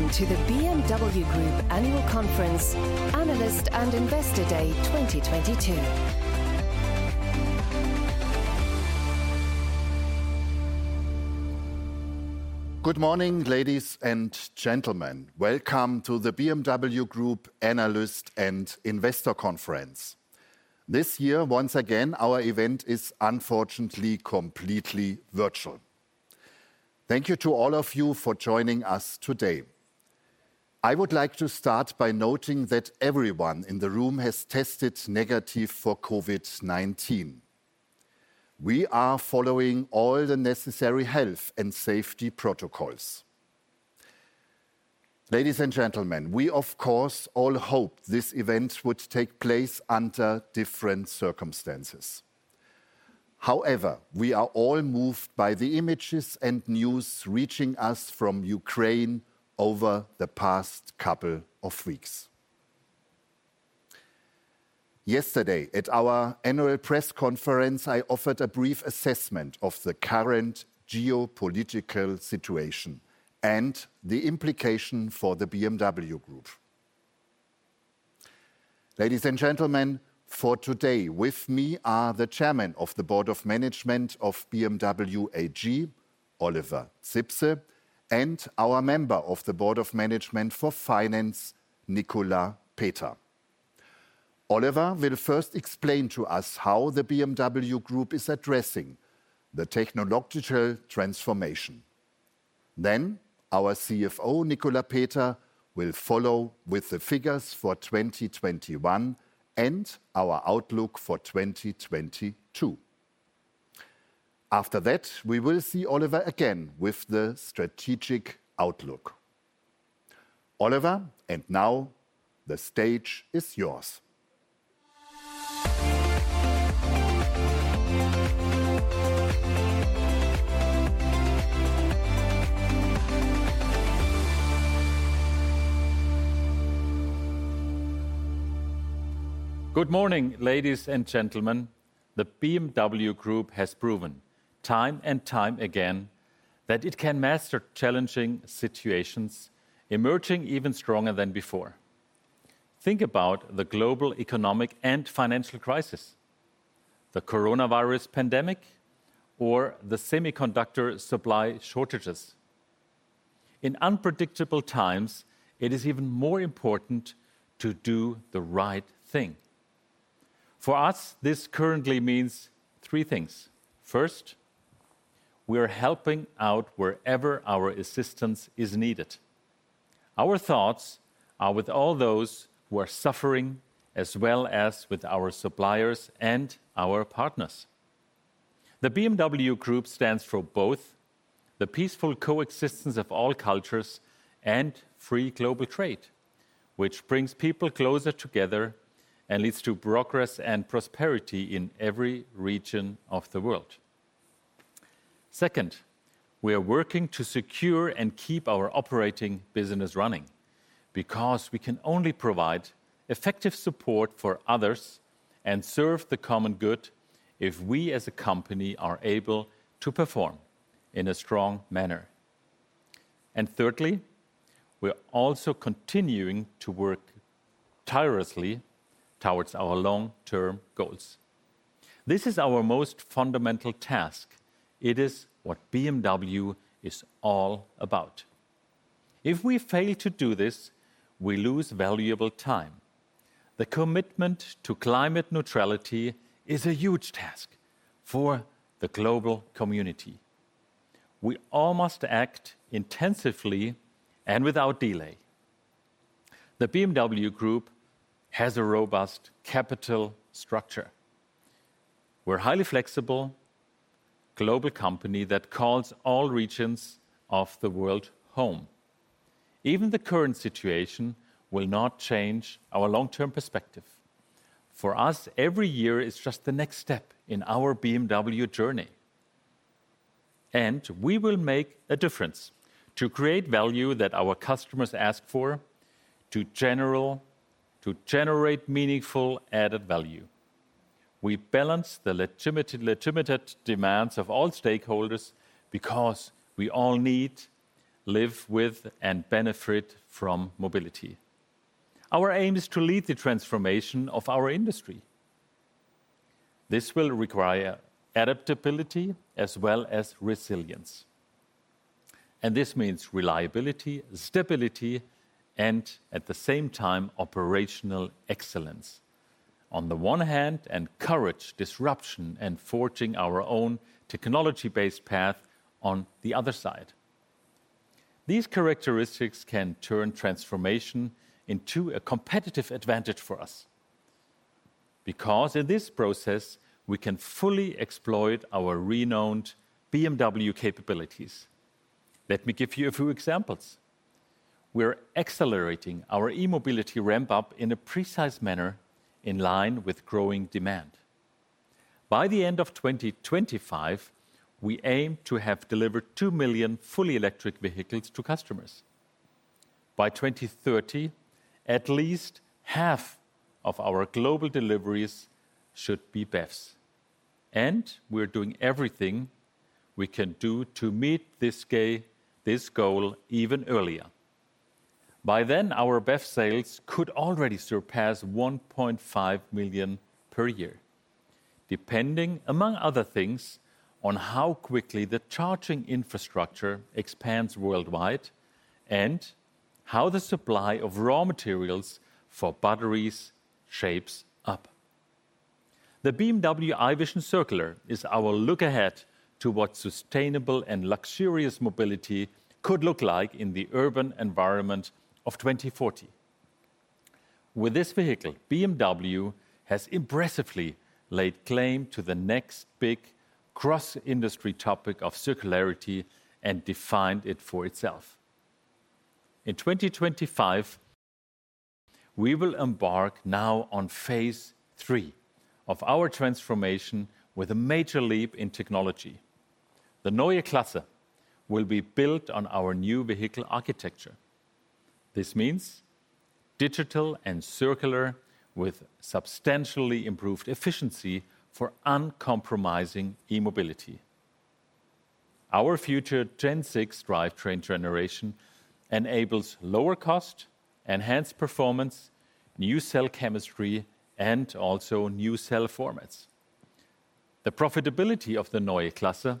Welcome to the BMW Group Annual Conference, Analyst and Investor Day 2022. Good morning, ladies and gentlemen. Welcome to the BMW Group Analyst and Investor Conference. This year, once again, our event is unfortunately completely virtual. Thank you to all of you for joining us today. I would like to start by noting that everyone in the room has tested negative for COVID-19. We are following all the necessary health and safety protocols. Ladies and gentlemen, we of course all hoped this event would take place under different circumstances. However, we are all moved by the images and news reaching us from Ukraine over the past couple of weeks. Yesterday, at our annual press conference, I offered a brief assessment of the current geopolitical situation and the implication for the BMW Group. Ladies and gentlemen, for today, with me are the Chairman of the Board of Management of BMW AG, Oliver Zipse, and our Member of the Board of Management for Finance, Nicolas Peter. Oliver will first explain to us how the BMW Group is addressing the technological transformation. Then our CFO, Nicolas Peter, will follow with the figures for 2021 and our outlook for 2022. After that, we will see Oliver again with the strategic outlook. Oliver, and now the stage is yours. Good morning, ladies and gentlemen. The BMW Group has proven time and time again that it can master challenging situations, emerging even stronger than before. Think about the global economic and financial crisis, the coronavirus pandemic, or the semiconductor supply shortages. In unpredictable times, it is even more important to do the right thing. For us, this currently means three things. First, we're helping out wherever our assistance is needed. Our thoughts are with all those who are suffering, as well as with our suppliers and our partners. The BMW Group stands for both the peaceful coexistence of all cultures and free global trade, which brings people closer together and leads to progress and prosperity in every region of the world. Second, we are working to secure and keep our operating business running because we can only provide effective support for others and serve the common good if we as a company are able to perform in a strong manner. Thirdly, we're also continuing to work tirelessly towards our long-term goals. This is our most fundamental task. It is what BMW is all about. If we fail to do this, we lose valuable time. The commitment to climate neutrality is a huge task for the global community. We all must act intensively and without delay. The BMW Group has a robust capital structure. We're a highly flexible global company that calls all regions of the world home. Even the current situation will not change our long-term perspective. For us, every year is just the next step in our BMW journey. We will make a difference to create value that our customers ask for to generate meaningful added value. We balance the legitimate demands of all stakeholders because we all need, live with, and benefit from mobility. Our aim is to lead the transformation of our industry. This will require adaptability as well as resilience, and this means reliability, stability, and at the same time, operational excellence on the one hand, and courage, disruption, and forging our own technology-based path on the other side. These characteristics can turn transformation into a competitive advantage for us because in this process, we can fully exploit our renowned BMW capabilities. Let me give you a few examples. We're accelerating our e-mobility ramp-up in a precise manner in line with growing demand. By the end of 2025, we aim to have delivered 2 million fully electric vehicles to customers. By 2030, at least half of our global deliveries should be BEVs. We're doing everything we can do to meet this goal even earlier. By then, our BEV sales could already surpass 1.5 million per year, depending, among other things, on how quickly the charging infrastructure expands worldwide and how the supply of raw materials for batteries shapes up. The BMW i Vision Circular is our look ahead to what sustainable and luxurious mobility could look like in the urban environment of 2040. With this vehicle, BMW has impressively laid claim to the next big cross-industry topic of circularity and defined it for itself. In 2025, we will embark now on phase three of our transformation with a major leap in technology. The Neue Klasse will be built on our new vehicle architecture. This means digital and circular with substantially improved efficiency for uncompromising e-mobility. Our future Gen6 drivetrain generation enables lower cost, enhanced performance, new cell chemistry, and also new cell formats. The profitability of the Neue Klasse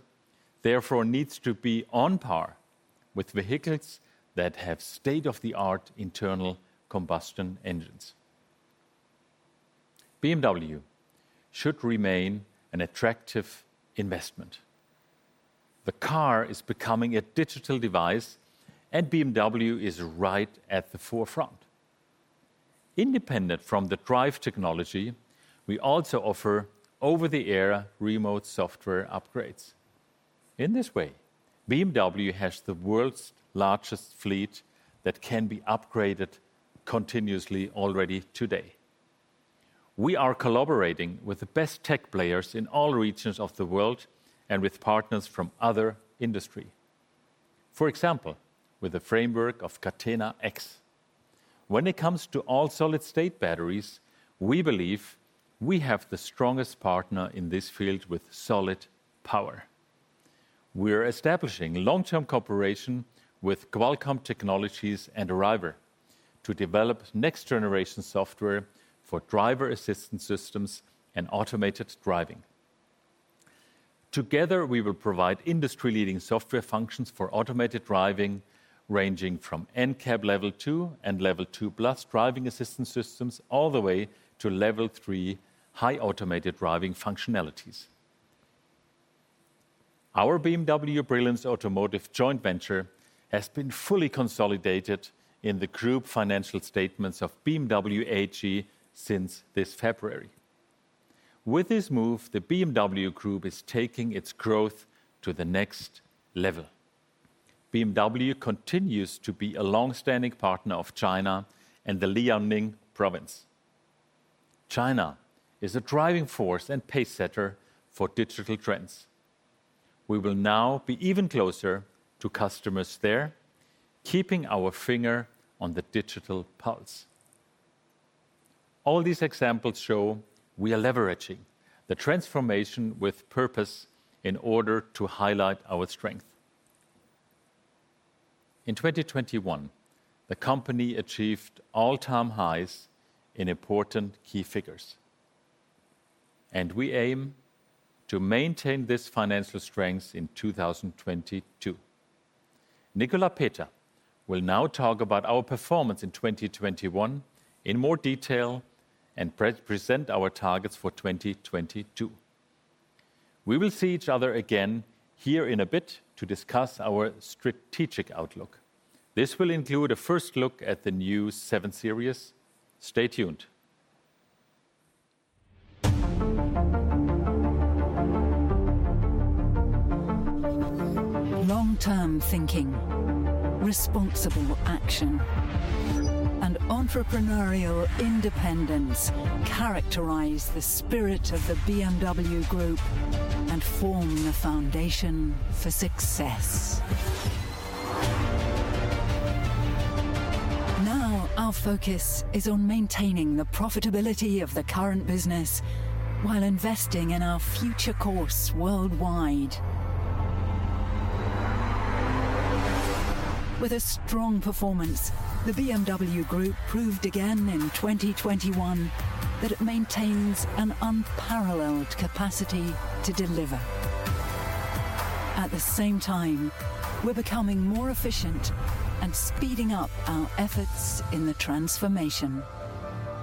therefore needs to be on par with vehicles that have state-of-the-art internal combustion engines. BMW should remain an attractive investment. The car is becoming a digital device, and BMW is right at the forefront. Independent from the drive technology, we also offer over-the-air remote software upgrades. In this way, BMW has the world's largest fleet that can be upgraded continuously already today. We are collaborating with the best tech players in all regions of the world and with partners from other industry. For example, with the framework of Catena-X. When it comes to all-solid-state batteries, we believe we have the strongest partner in this field with Solid Power. We're establishing long-term cooperation with Qualcomm Technologies and Arriver to develop next-generation software for driver assistance systems and automated driving. Together, we will provide industry-leading software functions for automated driving, ranging from SAE Level 2 and Level 2+ driving assistance systems all the way to Level 3 highly automated driving functionalities. Our BMW Brilliance Automotive joint venture has been fully consolidated in the group financial statements of BMW AG since this February. With this move, the BMW Group is taking its growth to the next level. BMW continues to be a long-standing partner of China and the Liaoning province. China is a driving force and pace setter for digital trends. We will now be even closer to customers there, keeping our finger on the digital pulse. All these examples show we are leveraging the transformation with purpose in order to highlight our strength. In 2021, the company achieved all-time highs in important key figures, and we aim to maintain this financial strength in 2022. Nicolas Peter will now talk about our performance in 2021 in more detail and pre-present our targets for 2022. We will see each other again here in a bit to discuss our strategic outlook. This will include a first look at the new 7 Series. Stay tuned. Long-term thinking, responsible action, and entrepreneurial independence characterize the spirit of the BMW Group and form the foundation for success. Now, our focus is on maintaining the profitability of the current business while investing in our future course worldwide. With a strong performance, the BMW Group proved again in 2021 that it maintains an unparalleled capacity to deliver. At the same time, we're becoming more efficient and speeding up our efforts in the transformation.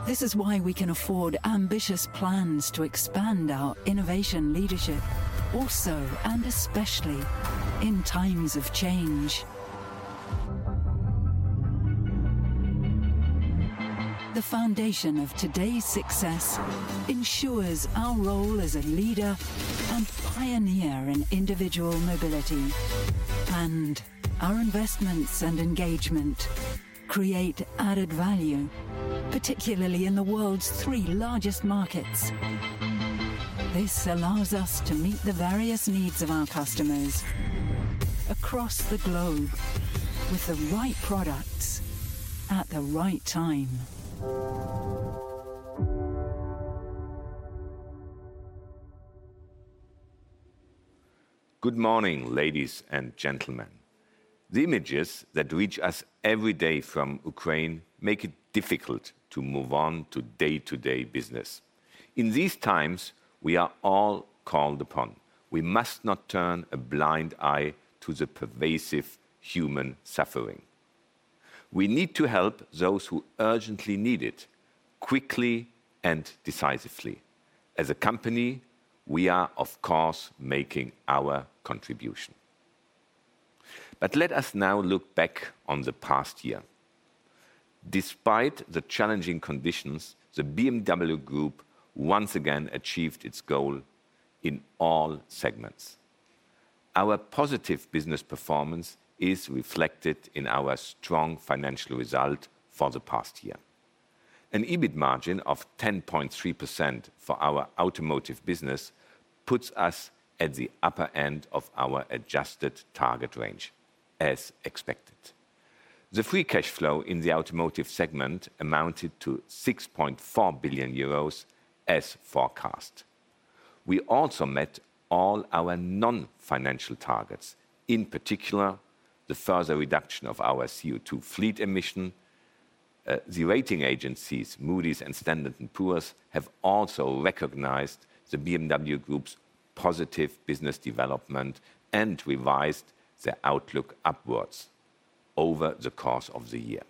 This is why we can afford ambitious plans to expand our innovation leadership also and especially in times of change. The foundation of today's success ensures our role as a leader and pioneer in individual mobility, and our investments and engagement create added value, particularly in the world's three largest markets. This allows us to meet the various needs of our customers across the globe with the right products. At the right time. Good morning, ladies and gentlemen. The images that reach us every day from Ukraine make it difficult to move on to day-to-day business. In these times, we are all called upon. We must not turn a blind eye to the pervasive human suffering. We need to help those who urgently need it quickly and decisively. As a company, we are of course making our contribution. Let us now look back on the past year. Despite the challenging conditions, the BMW Group once again achieved its goal in all segments. Our positive business performance is reflected in our strong financial result for the past year. An EBIT margin of 10.3% for our automotive business puts us at the upper end of our adjusted target range as expected. The free cash flow in the automotive segment amounted to 6.4 billion euros as forecast. We also met all our non-financial targets, in particular, the further reduction of our CO2 fleet emission. The rating agencies, Moody's and Standard & Poor's, have also recognized the BMW Group's positive business development and revised their outlook upwards over the course of the year.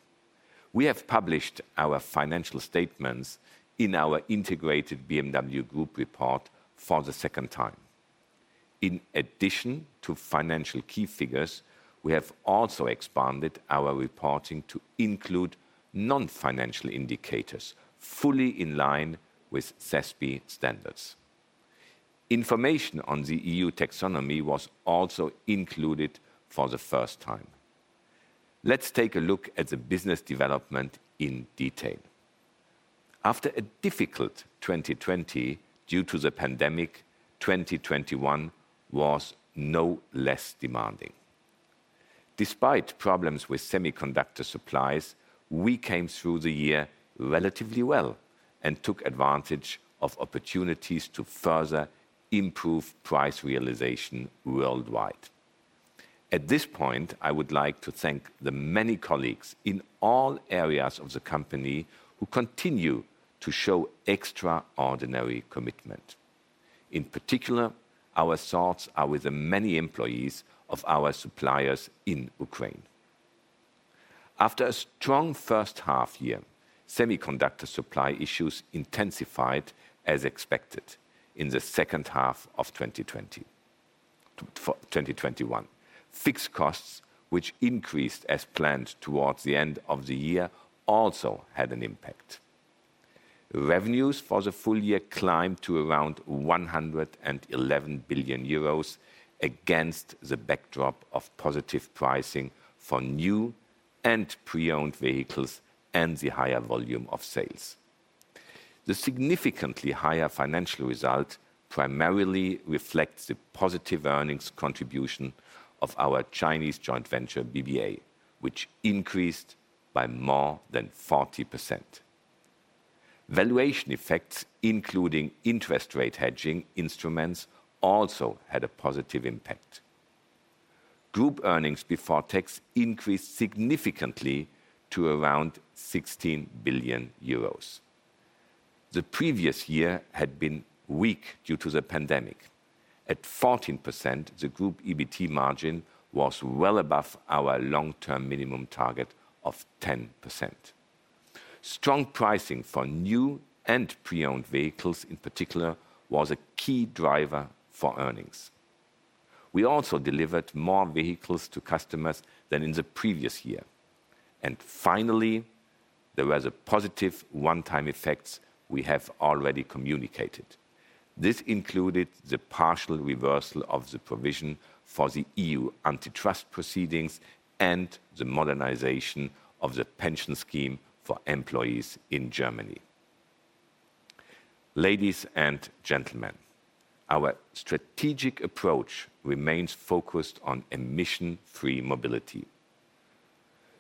We have published our financial statements in our integrated BMW Group report for the second time. In addition to financial key figures, we have also expanded our reporting to include non-financial indicators fully in line with SASB standards. Information on the EU Taxonomy was also included for the first time. Let's take a look at the business development in detail. After a difficult 2020 due to the pandemic, 2021 was no less demanding. Despite problems with semiconductor supplies, we came through the year relatively well and took advantage of opportunities to further improve price realization worldwide. At this point, I would like to thank the many colleagues in all areas of the company who continue to show extraordinary commitment. In particular, our thoughts are with the many employees of our suppliers in Ukraine. After a strong first half year, semiconductor supply issues intensified as expected in the second half of 2020 to 2021. Fixed costs, which increased as planned towards the end of the year, also had an impact. Revenues for the full year climbed to around 111 billion euros against the backdrop of positive pricing for new and pre-owned vehicles and the higher volume of sales. The significantly higher financial result primarily reflects the positive earnings contribution of our Chinese joint venture BBA, which increased by more than 40%. Valuation effects, including interest rate hedging instruments, also had a positive impact. Group earnings before tax increased significantly to around 16 billion euros. The previous year had been weak due to the pandemic. At 14%, the Group EBT margin was well above our long-term minimum target of 10%. Strong pricing for new and pre-owned vehicles in particular was a key driver for earnings. We also delivered more vehicles to customers than in the previous year. Finally, there was a positive one-time effects we have already communicated. This included the partial reversal of the provision for the EU antitrust proceedings and the modernization of the pension scheme for employees in Germany. Ladies and gentlemen, our strategic approach remains focused on emission-free mobility.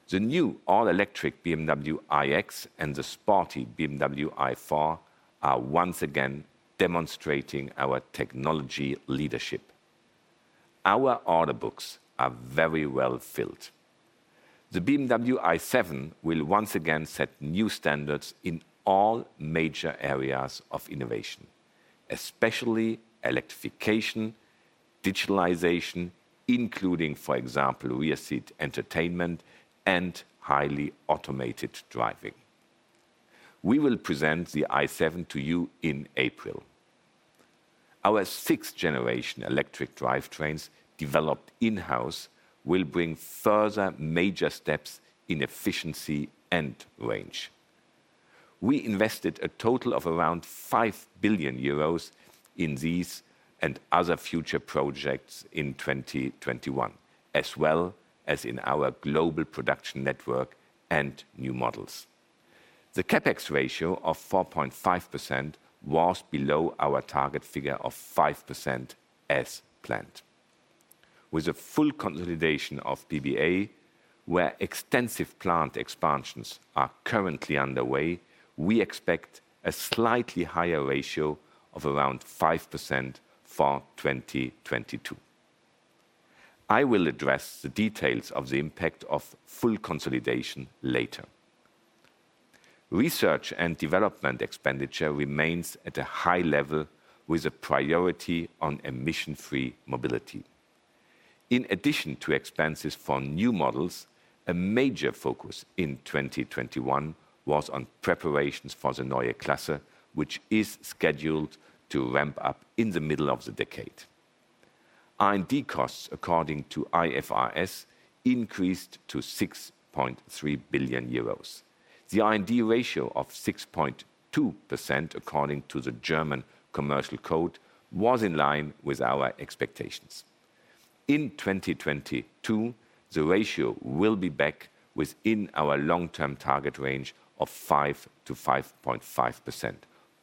The new all-electric BMW iX and the sporty BMW i4 are once again demonstrating our technology leadership. Our order books are very well filled. The BMW i7 will once again set new standards in all major areas of innovation, especially electrification, digitalization, including, for example, rear seat entertainment and highly automated driving. We will present the i7 to you in April. Our sixth generation electric drivetrains developed in-house will bring further major steps in efficiency and range. We invested a total of around 5 billion euros in these and other future projects in 2021, as well as in our global production network and new models. The CapEx ratio of 4.5% was below our target figure of 5% as planned. With a full consolidation of BBA, where extensive plant expansions are currently underway, we expect a slightly higher ratio of around 5% for 2022. I will address the details of the impact of full consolidation later. Research and development expenditure remains at a high level with a priority on emission-free mobility. In addition to expenses for new models, a major focus in 2021 was on preparations for the Neue Klasse, which is scheduled to ramp up in the middle of the decade. R&D costs according to IFRS increased to 6.3 billion euros. The R&D ratio of 6.2% according to the German Commercial Code was in line with our expectations. In 2022, the ratio will be back within our long-term target range of 5%-5.5%,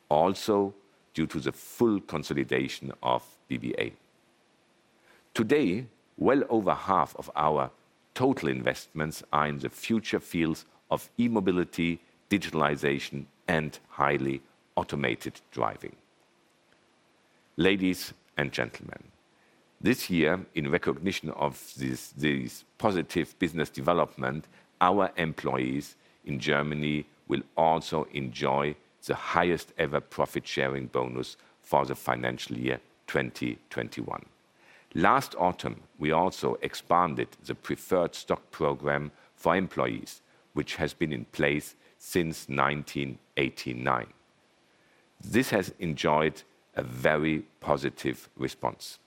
also due to the full consolidation of BBA. Today, well over half of our total investments are in the future fields of e-mobility, digitalization, and highly automated driving. Ladies and gentlemen, this year, in recognition of this positive business development, our employees in Germany will also enjoy the highest-ever profit-sharing bonus for the financial year 2021. Last autumn, we also expanded the preferred stock program for employees, which has been in place since 1989. This has enjoyed a very positive response.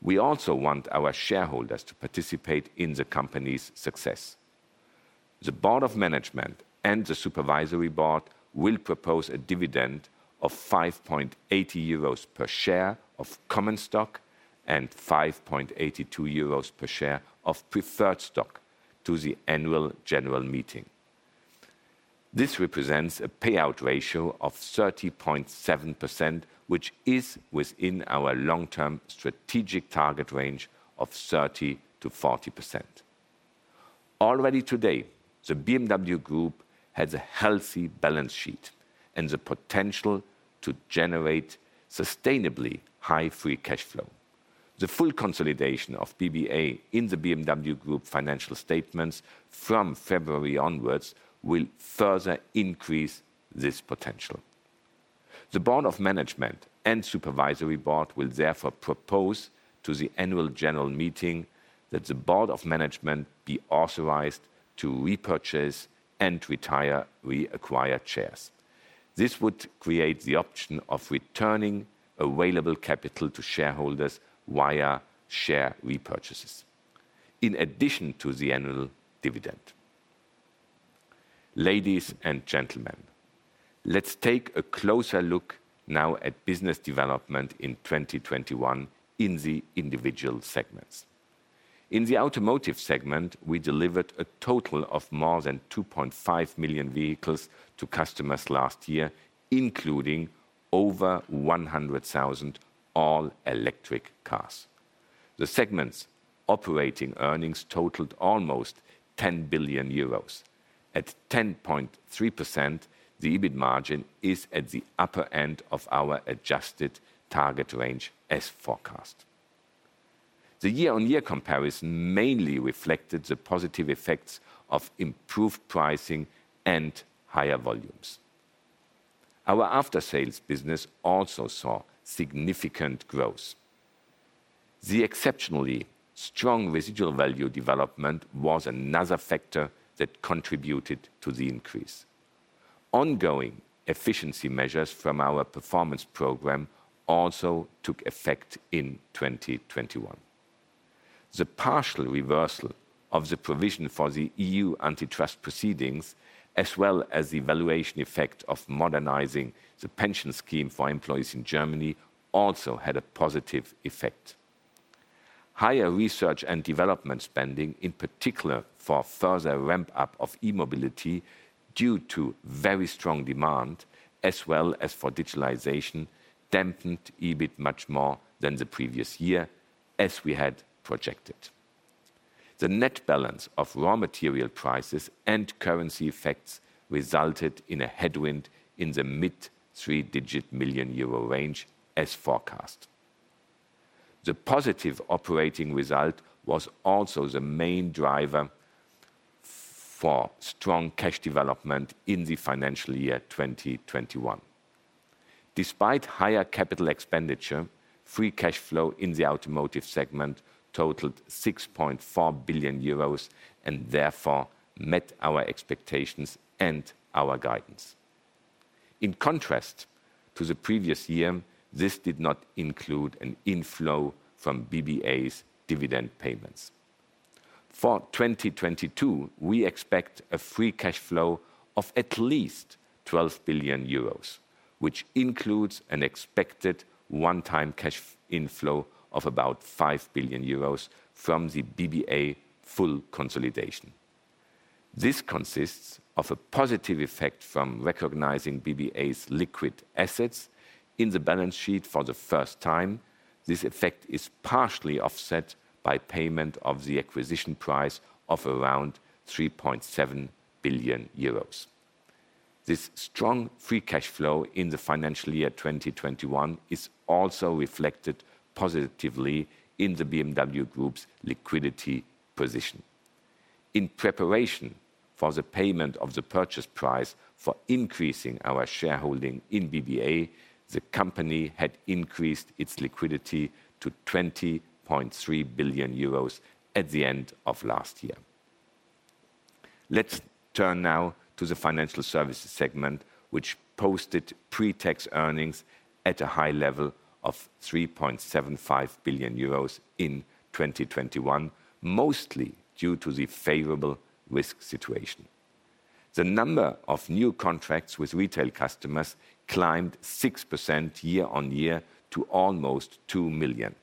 We also want our shareholders to participate in the company's success. The Board of Management and the Supervisory Board will propose a dividend of 5.80 euros per share of common stock and 5.82 euros per share of preferred stock to the annual general meeting. This represents a payout ratio of 30.7%, which is within our long-term strategic target range of 30%-40%. Already today, the BMW Group has a healthy balance sheet and the potential to generate sustainably high free cash flow. The full consolidation of BBA in the BMW Group financial statements from February onwards will further increase this potential. The Board of Management and Supervisory Board will therefore propose to the annual general meeting that the Board of Management be authorized to repurchase and retire reacquired shares. This would create the option of returning available capital to shareholders via share repurchases in addition to the annual dividend. Ladies and gentlemen, let's take a closer look now at business development in 2021 in the individual segments. In the automotive segment, we delivered a total of more than 2.5 million vehicles to customers last year, including over 100,000 all-electric cars. The segment's operating earnings totaled almost 10 billion euros. At 10.3%, the EBIT margin is at the upper end of our adjusted target range as forecast. The year-on-year comparison mainly reflected the positive effects of improved pricing and higher volumes. Our aftersales business also saw significant growth. The exceptionally strong residual value development was another factor that contributed to the increase. Ongoing efficiency measures from our performance program also took effect in 2021. The partial reversal of the provision for the EU antitrust proceedings, as well as the valuation effect of modernizing the pension scheme for employees in Germany, also had a positive effect. Higher research and development spending, in particular for further ramp-up of e-mobility due to very strong demand as well as for digitalization, dampened EBIT much more than the previous year, as we had projected. The net balance of raw material prices and currency effects resulted in a headwind in the mid three-digit million euro range as forecast. The positive operating result was also the main driver for strong cash development in the financial year 2021. Despite higher capital expenditure, free cash flow in the automotive segment totaled 6.4 billion euros and therefore met our expectations and our guidance. In contrast to the previous year, this did not include an inflow from BBA's dividend payments. For 2022, we expect a free cash flow of at least 12 billion euros, which includes an expected one-time cash inflow of about 5 billion euros from the BBA full consolidation. This consists of a positive effect from recognizing BBA's liquid assets in the balance sheet for the first time. This effect is partially offset by payment of the acquisition price of around 3.7 billion euros. This strong free cash flow in the financial year 2021 is also reflected positively in the BMW Group's liquidity position. In preparation for the payment of the purchase price for increasing our shareholding in BBA, the company had increased its liquidity to 20.3 billion euros at the end of last year. Let's turn now to the financial services segment, which posted pre-tax earnings at a high level of 3.75 billion euros in 2021, mostly due to the favorable risk situation. The number of new contracts with retail customers climbed 6% year-on-year to almost 2 million.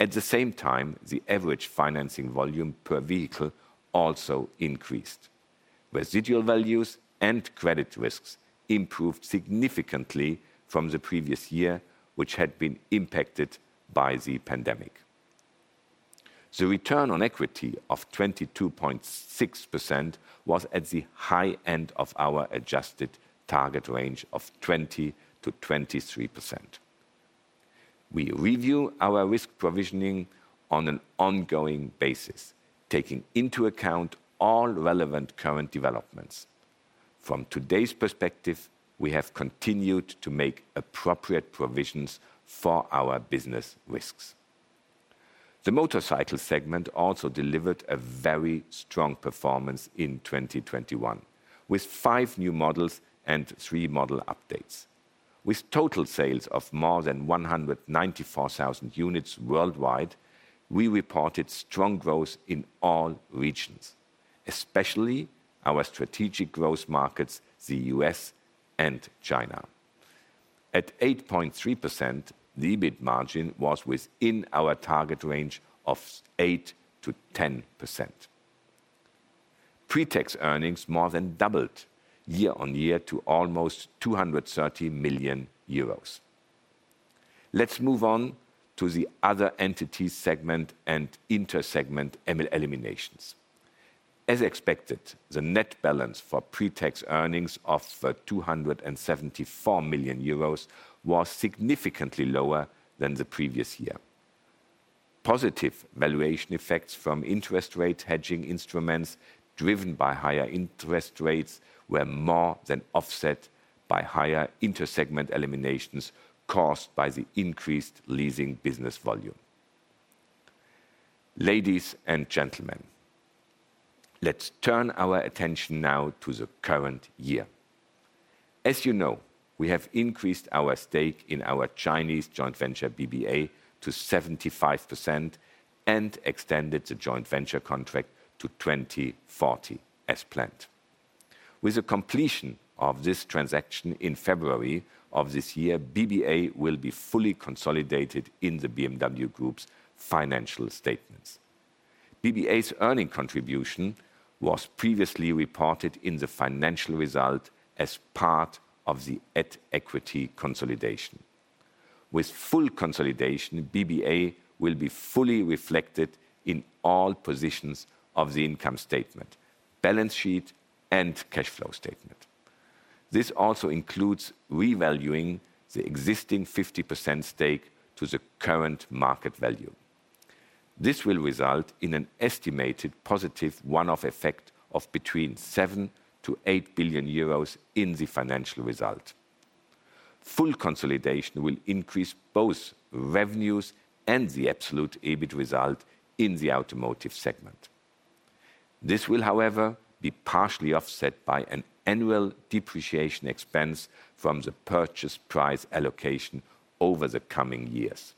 At the same time, the average financing volume per vehicle also increased. Residual values and credit risks improved significantly from the previous year, which had been impacted by the pandemic. The return on equity of 22.6% was at the high end of our adjusted target range of 20%-23%. We review our risk provisioning on an ongoing basis, taking into account all relevant current developments. From today's perspective, we have continued to make appropriate provisions for our business risks. The motorcycle segment also delivered a very strong performance in 2021, with five new models and three model updates. With total sales of more than 194,000 units worldwide, we reported strong growth in all regions, especially our strategic growth markets, the U.S. and China. At 8.3%, the EBIT margin was within our target range of 8%-10%. Pre-tax earnings more than doubled year-on-year to almost 230 million euros. Let's move on to the other entities segment and inter-segment eliminations. As expected, the net balance for pre-tax earnings of 274 million euros was significantly lower than the previous year. Positive valuation effects from interest rate hedging instruments driven by higher interest rates were more than offset by higher inter-segment eliminations caused by the increased leasing business volume. Ladies and gentlemen, let's turn our attention now to the current year. As you know, we have increased our stake in our Chinese joint venture BBA to 75% and extended the joint venture contract to 2040 as planned. With the completion of this transaction in February of this year, BBA will be fully consolidated in the BMW Group's financial statements. BBA's earnings contribution was previously reported in the financial result as part of the at-equity consolidation. With full consolidation, BBA will be fully reflected in all positions of the income statement, balance sheet, and cash flow statement. This also includes revaluing the existing 50% stake to the current market value. This will result in an estimated positive one-off effect of between 7 billion-8 billion euros in the financial result. Full consolidation will increase both revenues and the absolute EBIT result in the automotive segment. This will, however, be partially offset by an annual depreciation expense from the purchase price allocation over the coming years.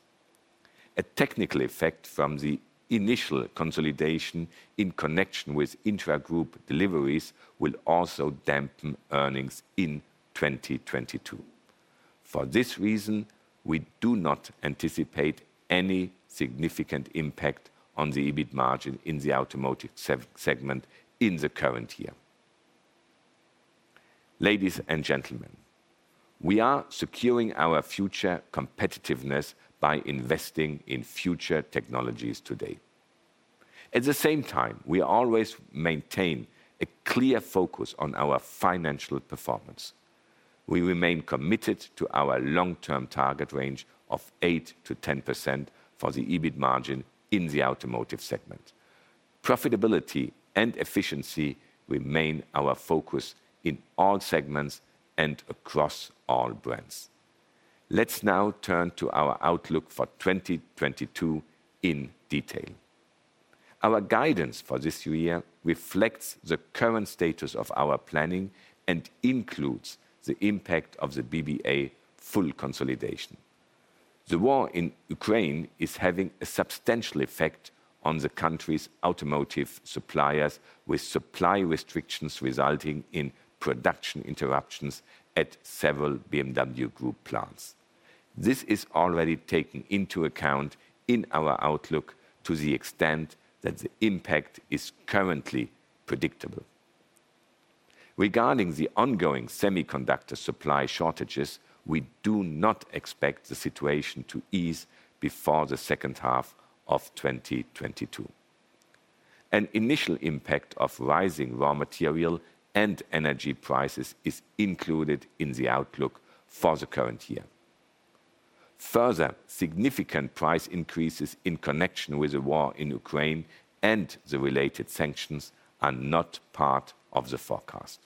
A technical effect from the initial consolidation in connection with intragroup deliveries will also dampen earnings in 2022. For this reason, we do not anticipate any significant impact on the EBIT margin in the automotive segment in the current year. Ladies and gentlemen, we are securing our future competitiveness by investing in future technologies today. At the same time, we always maintain a clear focus on our financial performance. We remain committed to our long-term target range of 8%-10% for the EBIT margin in the automotive segment. Profitability and efficiency remain our focus in all segments and across all brands. Let's now turn to our outlook for 2022 in detail. Our guidance for this year reflects the current status of our planning and includes the impact of the BBA full consolidation. The war in Ukraine is having a substantial effect on the country's automotive suppliers with supply restrictions resulting in production interruptions at several BMW Group plants. This is already taken into account in our outlook to the extent that the impact is currently predictable. Regarding the ongoing semiconductor supply shortages, we do not expect the situation to ease before the second half of 2022. An initial impact of rising raw material and energy prices is included in the outlook for the current year. Further significant price increases in connection with the war in Ukraine and the related sanctions are not part of the forecast.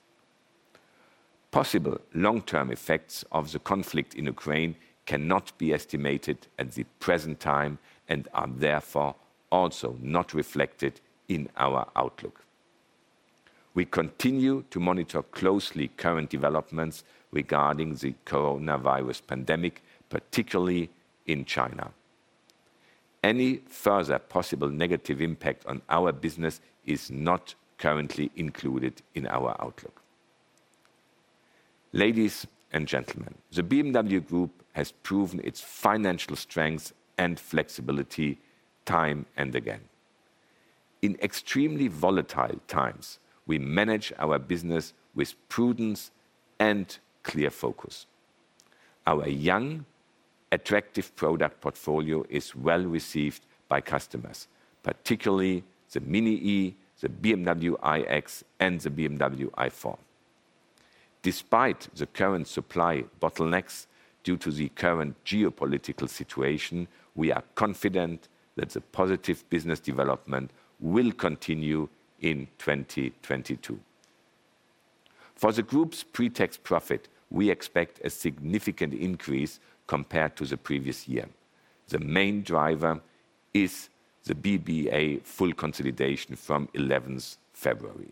Possible long-term effects of the conflict in Ukraine cannot be estimated at the present time and are therefore also not reflected in our outlook. We continue to monitor closely current developments regarding the coronavirus pandemic, particularly in China. Any further possible negative impact on our business is not currently included in our outlook. Ladies and gentlemen, the BMW Group has proven its financial strength and flexibility time and again. In extremely volatile times, we manage our business with prudence and clear focus. Our young, attractive product portfolio is well received by customers, particularly the MINI Electric, the BMW iX, and the BMW i4. Despite the current supply bottlenecks due to the current geopolitical situation, we are confident that the positive business development will continue in 2022. For the group's pretax profit, we expect a significant increase compared to the previous year. The main driver is the BBA full consolidation from February 11.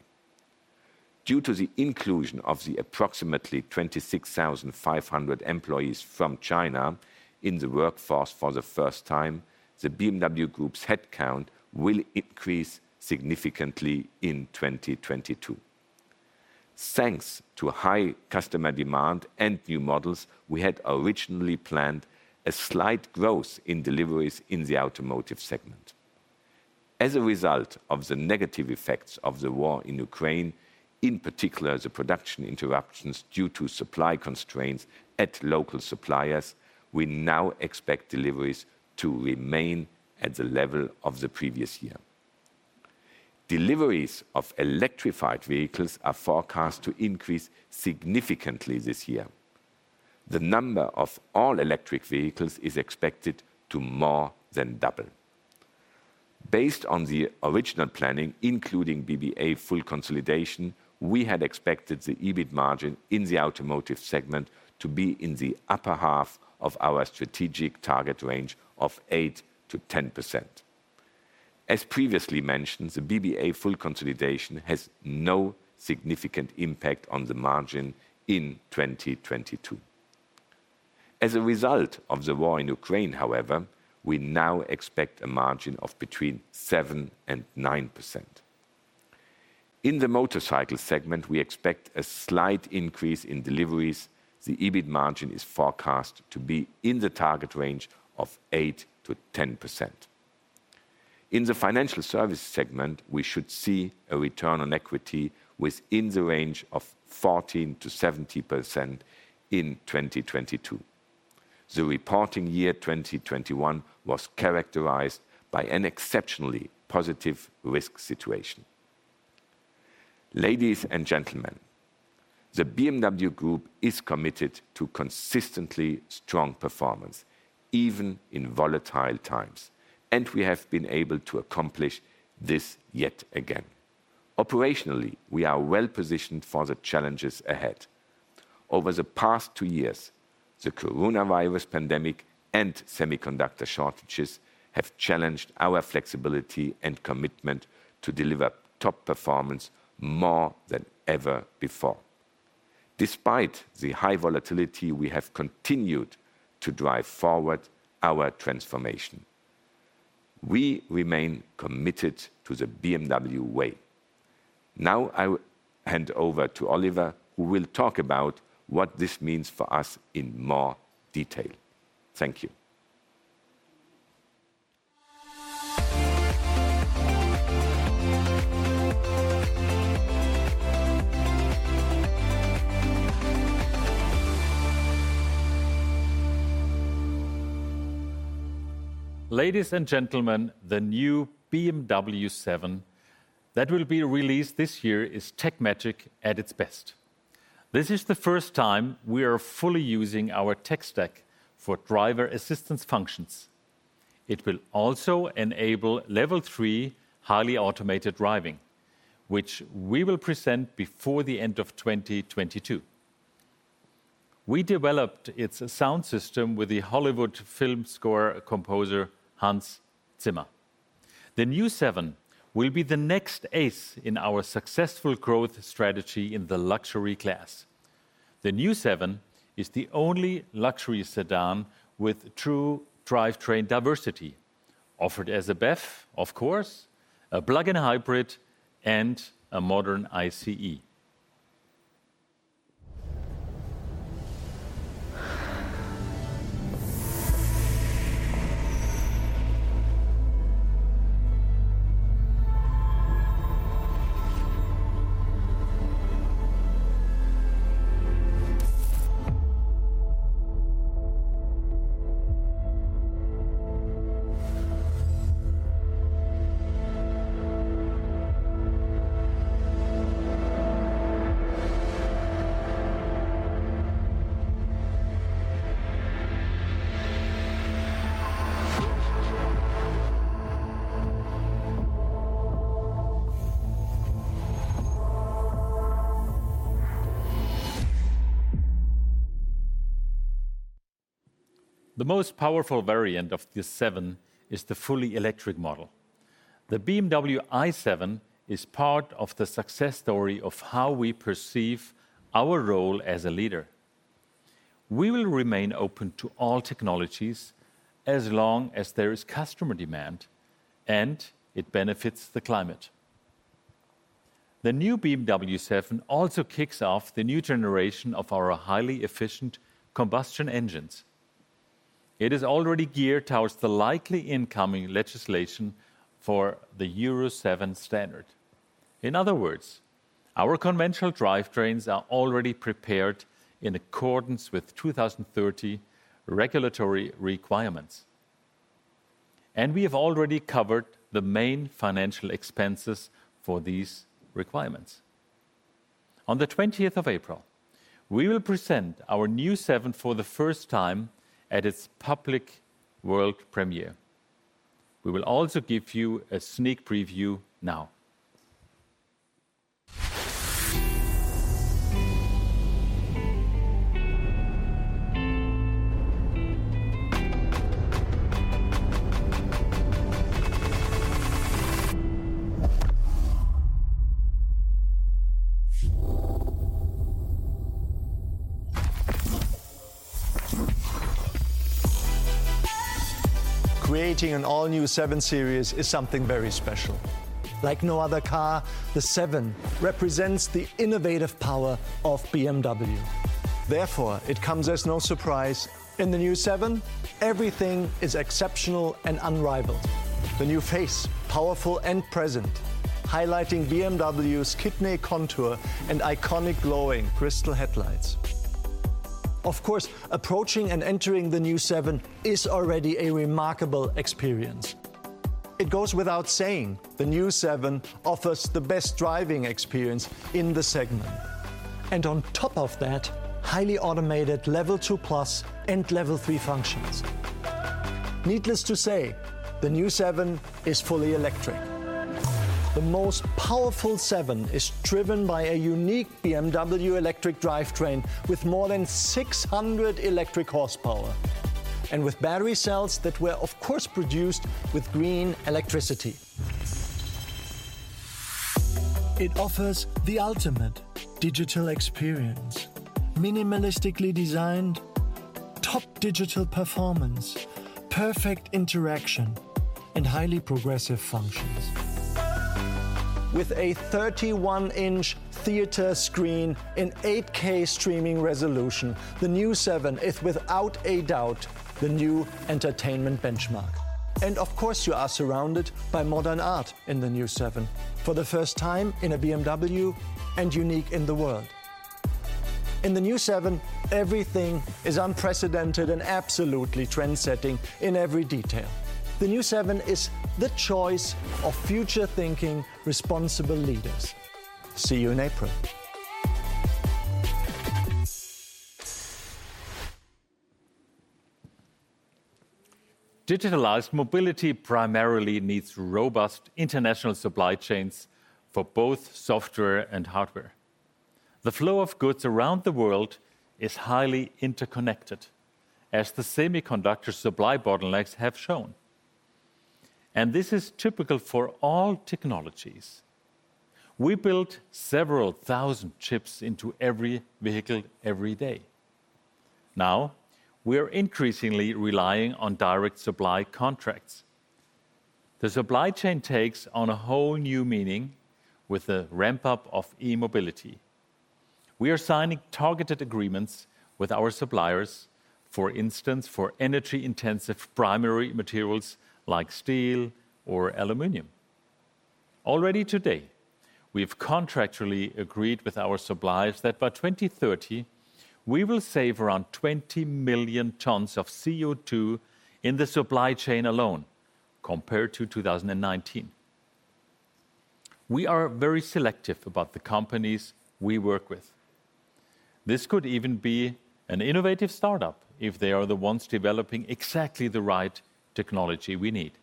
Due to the inclusion of the approximately 26,500 employees from China in the workforce for the first time, the BMW Group's head count will increase significantly in 2022. Thanks to high customer demand and new models, we had originally planned a slight growth in deliveries in the automotive segment. As a result of the negative effects of the war in Ukraine, in particular, the production interruptions due to supply constraints at local suppliers, we now expect deliveries to remain at the level of the previous year. Deliveries of electrified vehicles are forecast to increase significantly this year. The number of all electric vehicles is expected to more than double. Based on the original planning, including BBA full consolidation, we had expected the EBIT margin in the Automotive segment to be in the upper half of our strategic target range of 8%-10%. As previously mentioned, the BBA full consolidation has no significant impact on the margin in 2022. As a result of the war in Ukraine, however, we now expect a margin of between 7% and 9%. In the Motorcycle segment, we expect a slight increase in deliveries. The EBIT margin is forecast to be in the target range of 8%-10%. In the Financial Services segment, we should see a return on equity within the range of 14%-17% in 2022. The reporting year 2021 was characterized by an exceptionally positive risk situation. Ladies and gentlemen, the BMW Group is committed to consistently strong performance even in volatile times, and we have been able to accomplish this yet again. Operationally, we are well positioned for the challenges ahead. Over the past two years, the coronavirus pandemic and semiconductor shortages have challenged our flexibility and commitment to deliver top performance more than ever before. Despite the high volatility, we have continued to drive forward our transformation. We remain committed to the BMW way. Now I hand over to Oliver, who will talk about what this means for us in more detail. Thank you. Ladies and gentlemen, the new BMW 7 that will be released this year is tech magic at its best. This is the first time we are fully using our tech stack for driver assistance functions. It will also enable Level 3 highly automated driving, which we will present before the end of 2022. We developed its sound system with the Hollywood film score composer Hans Zimmer. The new 7 will be the next ace in our successful growth strategy in the luxury class. The new 7 is the only luxury sedan with true drivetrain diversity, offered as a BEV, of course, a plug-in hybrid, and a modern ICE. The most powerful variant of the 7 is the fully electric model. The BMW i7 is part of the success story of how we perceive our role as a leader. We will remain open to all technologies as long as there is customer demand and it benefits the climate. The new BMW 7 also kicks off the new generation of our highly efficient combustion engines. It is already geared towards the likely incoming legislation for the Euro 7 standard. In other words, our conventional drivetrains are already prepared in accordance with 2030 regulatory requirements, and we have already covered the main financial expenses for these requirements. On the 20th of April, we will present our new 7 for the first time at its public world premiere. We will also give you a sneak preview now. Creating an all-new 7 Series is something very special. Like no other car, the 7 represents the innovative power of BMW. Therefore, it comes as no surprise. In the new 7, everything is exceptional and unrivaled. The new face, powerful and present, highlighting BMW's kidney contour and iconic glowing crystal headlights. Of course, approaching and entering the new 7 is already a remarkable experience. It goes without saying the new 7 offers the best driving experience in the segment. On top of that, highly automated Level 2+ and Level 3 functions. Needless to say, the new 7 is fully electric. The most powerful 7 is driven by a unique BMW electric drivetrain with more than 600 electric horsepower, and with battery cells that were of course produced with green electricity. It offers the ultimate digital experience, minimalistically designed, top digital performance, perfect interaction, and highly progressive functions. With a 31-inch theater screen and 8K streaming resolution, the new 7 is without a doubt the new entertainment benchmark. Of course you are surrounded by modern art in the new 7, for the first time in a BMW and unique in the world. In the new 7, everything is unprecedented and absolutely trendsetting in every detail. The new 7 is the choice of future-thinking responsible leaders. See you in April. Digitalized mobility primarily needs robust international supply chains for both software and hardware. The flow of goods around the world is highly interconnected, as the semiconductor supply bottlenecks have shown, and this is typical for all technologies. We build several thousand chips into every vehicle every day. Now, we are increasingly relying on direct supply contracts. The supply chain takes on a whole new meaning with the ramp-up of e-mobility. We are signing targeted agreements with our suppliers, for instance, for energy-intensive primary materials like steel or aluminum. Already today, we have contractually agreed with our suppliers that by 2030 we will save around 20 million tons of CO2 in the supply chain alone, compared to 2019. We are very selective about the companies we work with. This could even be an innovative startup if they are the ones developing exactly the right technology we need.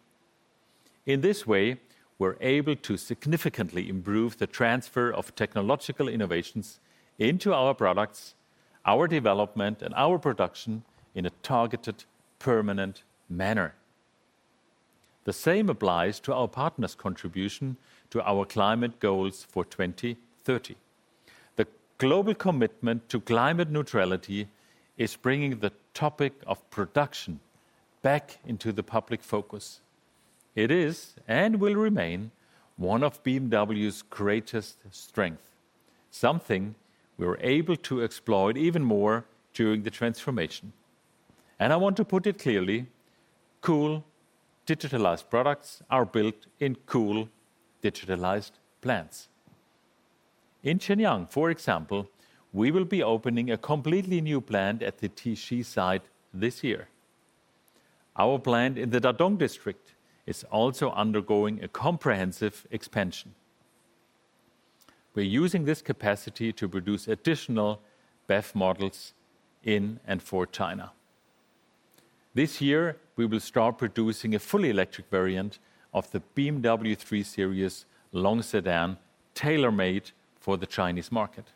In this way, we're able to significantly improve the transfer of technological innovations into our products, our development, and our production in a targeted, permanent manner. The same applies to our partners' contribution to our climate goals for 2030. The global commitment to climate neutrality is bringing the topic of production back into the public focus. It is, and will remain, one of BMW's greatest strength, something we're able to explore even more during the transformation. I want to put it clearly, cool digitalized products are built in cool digitalized plants. In Shenyang, for example, we will be opening a completely new plant at the Tiexi site this year. Our plant in the Dadong District is also undergoing a comprehensive expansion. We're using this capacity to produce additional BEV models in and for China. This year we will start producing a fully electric variant of the BMW 3 Series long sedan tailor-made for the Chinese market.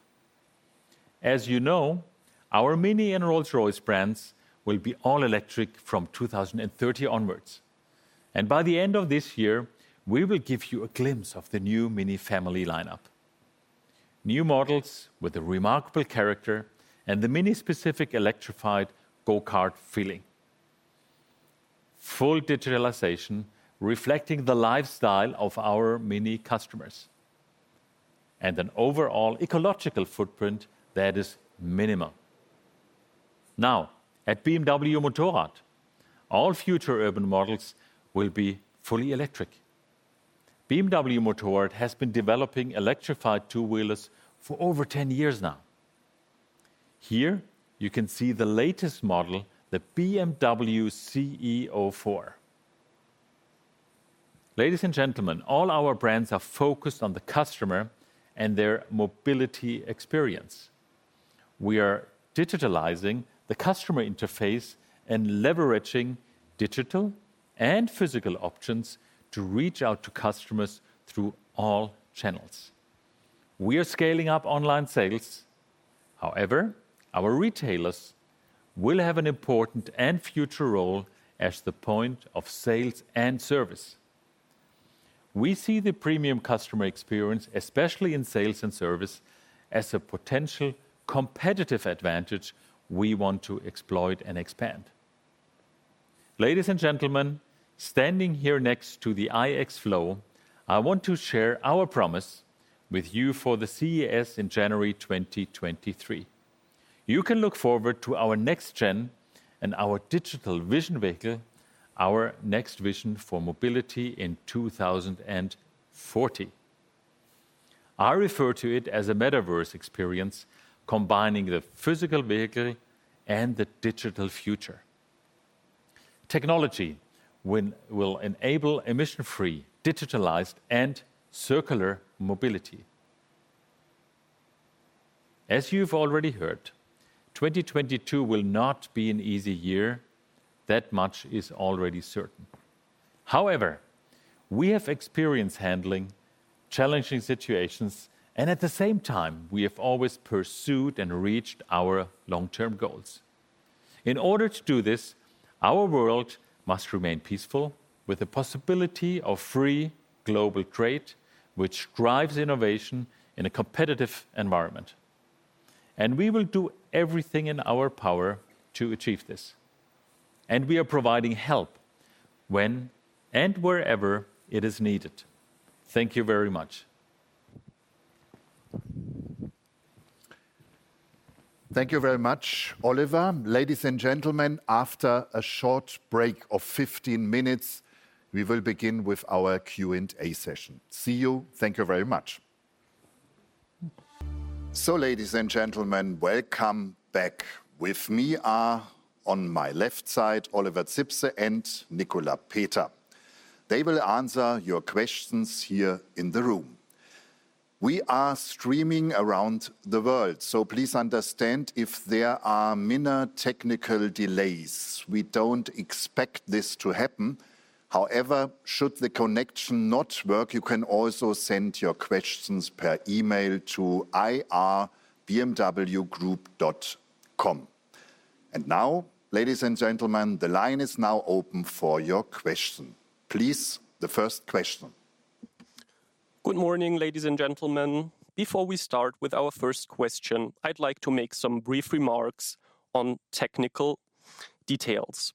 As you know, our MINI and Rolls-Royce brands will be all electric from 2030 onwards. By the end of this year, we will give you a glimpse of the new MINI family lineup, new models with a remarkable character and the MINI-specific electrified go-kart feeling, full digitalization reflecting the lifestyle of our MINI customers, and an overall ecological footprint that is minimal. Now, at BMW Motorrad, all future urban models will be fully electric. BMW Motorrad has been developing electrified two-wheelers for over 10 years now. Here you can see the latest model, the BMW CE 04. Ladies and gentlemen, all our brands are focused on the customer and their mobility experience. We are digitalizing the customer interface and leveraging digital and physical options to reach out to customers through all channels. We are scaling up online sales, however, our retailers will have an important and future role as the point of sales and service. We see the premium customer experience, especially in sales and service, as a potential competitive advantage we want to exploit and expand. Ladies and gentlemen, standing here next to the iX Flow, I want to share our promise with you for the CES in January 2023. You can look forward to our next gen and our digital vision vehicle, our next vision for mobility in 2040. I refer to it as a metaverse experience combining the physical vehicle and the digital future. Technology will enable emission free, digitalized, and circular mobility. As you've already heard, 2022 will not be an easy year. That much is already certain. However, we have experience handling challenging situations and at the same time we have always pursued and reached our long-term goals. In order to do this, our world must remain peaceful with the possibility of free global trade which drives innovation in a competitive environment. We will do everything in our power to achieve this, and we are providing help when and wherever it is needed. Thank you very much. Thank you very much, Oliver. Ladies and gentlemen, after a short break of 15 minutes, we will begin with our Q&A session. See you. Thank you very much. Ladies and gentlemen, welcome back. With me are, on my left side, Oliver Zipse and Nicolas Peter. They will answer your questions here in the room. We are streaming around the world, so please understand if there are minor technical delays. We don't expect this to happen. However, should the connection not work, you can also send your questions per email to ir@bmwgroup.com. Now, ladies and gentlemen, the line is now open for your question. Please, the first question. Good morning, ladies and gentlemen. Before we start with our first question, I'd like to make some brief remarks on technical details.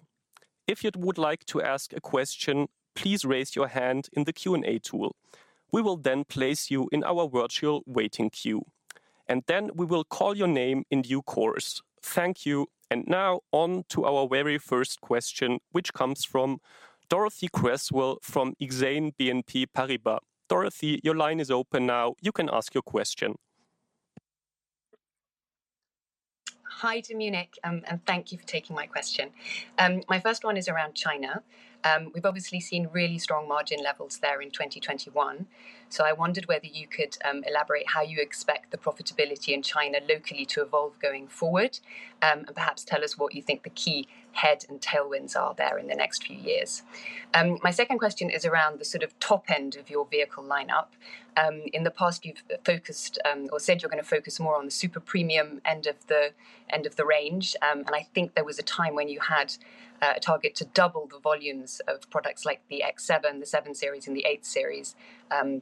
If you'd like to ask a question, please raise your hand in the Q&A tool. We will then place you in our virtual waiting queue, and then we will call your name in due course. Thank you. Now on to our very first question, which comes from Dorothee Cresswell from Exane BNP Paribas. Dorothy, your line is open now. You can ask your question. Hi to Munich, and thank you for taking my question. My first one is around China. We've obviously seen really strong margin levels there in 2021. I wondered whether you could elaborate how you expect the profitability in China locally to evolve going forward, and perhaps tell us what you think the key head and tailwinds are there in the next few years. My second question is around the sort of top end of your vehicle lineup. In the past you've focused, or said you're gonna focus more on the super premium end of the range. I think there was a time when you had a target to double the volumes of products like the X7, the 7 Series and the 8 Series,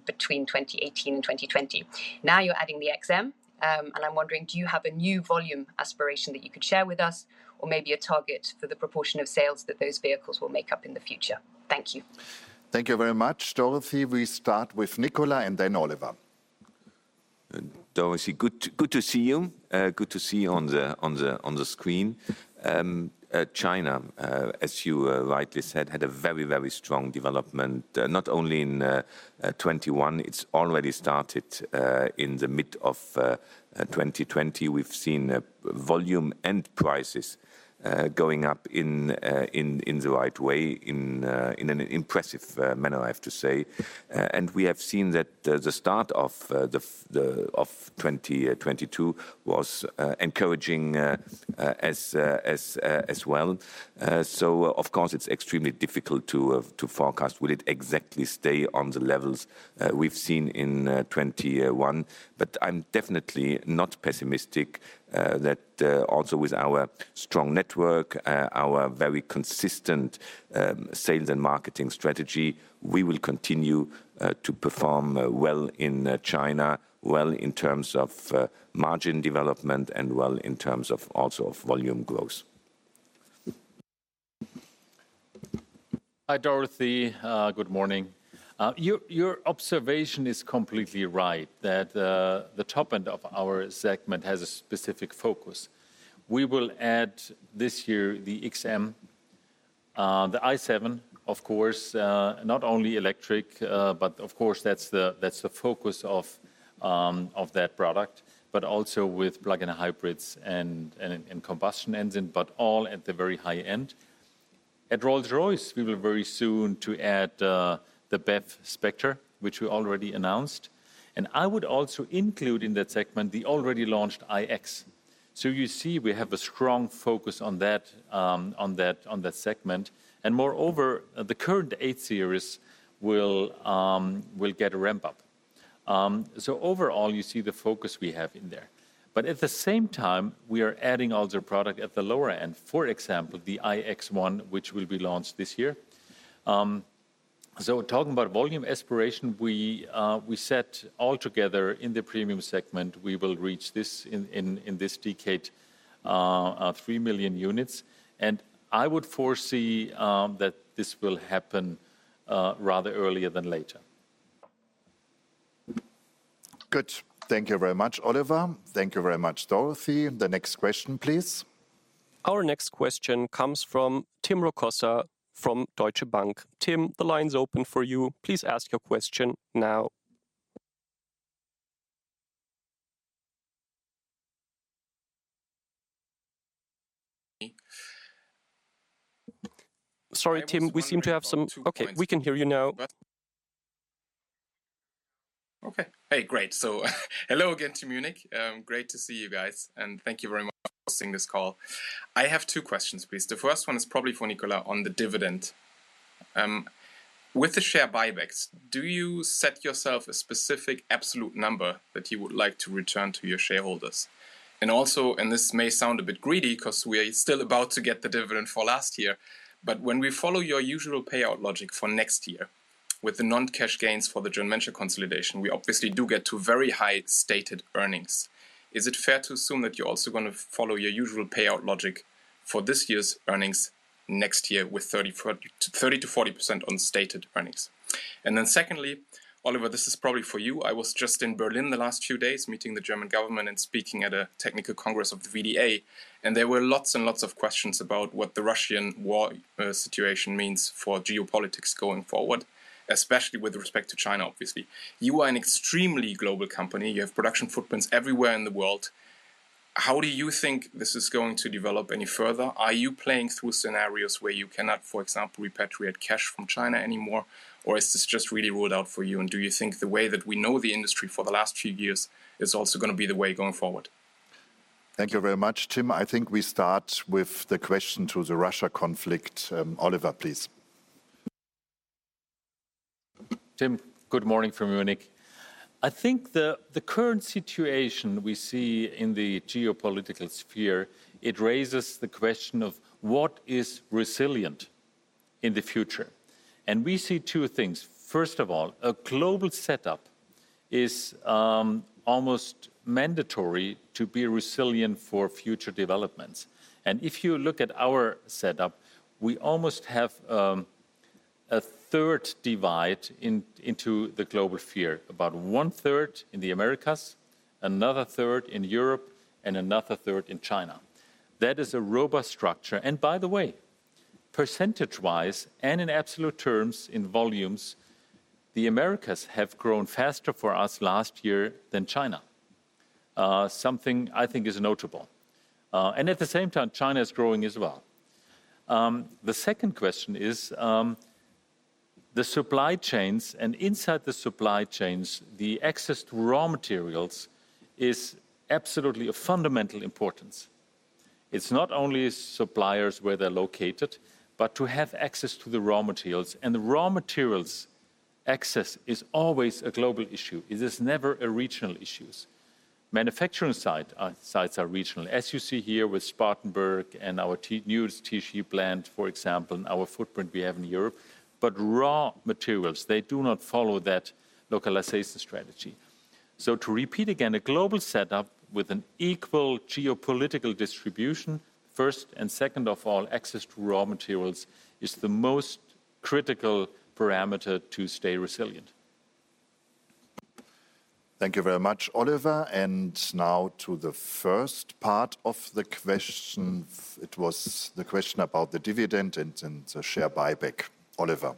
between 2018 and 2020. Now you're adding the XM. I'm wondering, do you have a new volume aspiration that you could share with us, or maybe a target for the proportion of sales that those vehicles will make up in the future? Thank you. Thank you very much, Dorothy. We start with Nicolas and then Oliver. Dorothy, good to see you. Good to see you on the screen. China, as you rightly said, had a very strong development, not only in 2021, it's already started in the mid of 2020. We've seen volume and prices going up in the right way, in an impressive manner, I have to say. We have seen that the start of 2022 was encouraging, as well. Of course it's extremely difficult to forecast will it exactly stay on the levels we've seen in 2021. I'm definitely not pessimistic that also with our strong network, our very consistent sales and marketing strategy, we will continue to perform well in China, well in terms of margin development and well in terms of also of volume growth. Hi, Dorothy. Good morning. Your observation is completely right that the top end of our segment has a specific focus. We will add this year the XM, the i7, of course, not only electric, but of course that's the focus of that product, but also with plug-in hybrids and a combustion engine, but all at the very high end. At Rolls-Royce, we will very soon to add the BEV Spectre, which we already announced. I would also include in that segment the already launched iX. You see, we have a strong focus on that segment. Moreover, the current 8 Series will get a ramp-up. Overall, you see the focus we have in there. At the same time, we are adding other product at the lower end, for example, the iX1, which will be launched this year. Talking about volume aspiration, we set all together in the premium segment, we will reach this in this decade three million units. I would foresee that this will happen rather earlier than later. Good. Thank you very much, Oliver. Thank you very much, Dorothy. The next question, please. Our next question comes from Tim Rokossa from Deutsche Bank. Tim, the line's open for you. Please ask your question now. Sorry, Tim, we seem to have some. I was wondering about two questions. Okay, we can hear you now. Okay. Hey, great. Hello again to Munich. Great to see you guys, and thank you very much for hosting this call. I have two questions, please. The first one is probably for Nicolas on the dividend. With the share buybacks, do you set yourself a specific absolute number that you would like to return to your shareholders? And also, this may sound a bit greedy 'cause we're still about to get the dividend for last year, but when we follow your usual payout logic for next year with the non-cash gains for the German consolidation, we obviously do get to very high stated earnings. Is it fair to assume that you're also gonna follow your usual payout logic for this year's earnings next year with 30%-40% on stated earnings? And then secondly, Oliver, this is probably for you. I was just in Berlin the last few days meeting the German government and speaking at a technical congress of the VDA, and there were lots and lots of questions about what the Russian war situation means for geopolitics going forward, especially with respect to China, obviously. You are an extremely global company. You have production footprints everywhere in the world. How do you think this is going to develop any further? Are you playing through scenarios where you cannot, for example, repatriate cash from China anymore, or is this just really ruled out for you? Do you think the way that we know the industry for the last few years is also gonna be the way going forward? Thank you very much, Tim. I think we start with the question to the Russia conflict. Oliver, please. Tim, good morning from Munich. I think the current situation we see in the geopolitical sphere, it raises the question of what is resilient in the future? We see two things. First of all, a global setup is almost mandatory to be resilient for future developments. If you look at our setup, we almost have a third divide into the global sphere, about one third in the Americas, another third in Europe, and another third in China. That is a robust structure. By the way, percentage-wise, and in absolute terms in volumes, the Americas have grown faster for us last year than China, something I think is notable. At the same time, China is growing as well. The second question is, the supply chains, and inside the supply chains, the access to raw materials is absolutely of fundamental importance. It's not only suppliers where they're located, but to have access to the raw materials, and the raw materials access is always a global issue. It is never a regional issue. Manufacturing sites are regional, as you see here with Spartanburg and our new Tiexi plant, for example, and our footprint we have in Europe. Raw materials, they do not follow that localization strategy. To repeat again, a global setup with an equal geopolitical distribution, first and foremost, access to raw materials is the most critical parameter to stay resilient. Thank you very much, Oliver. Now to the first part of the question. It was the question about the dividend and the share buyback. Oliver.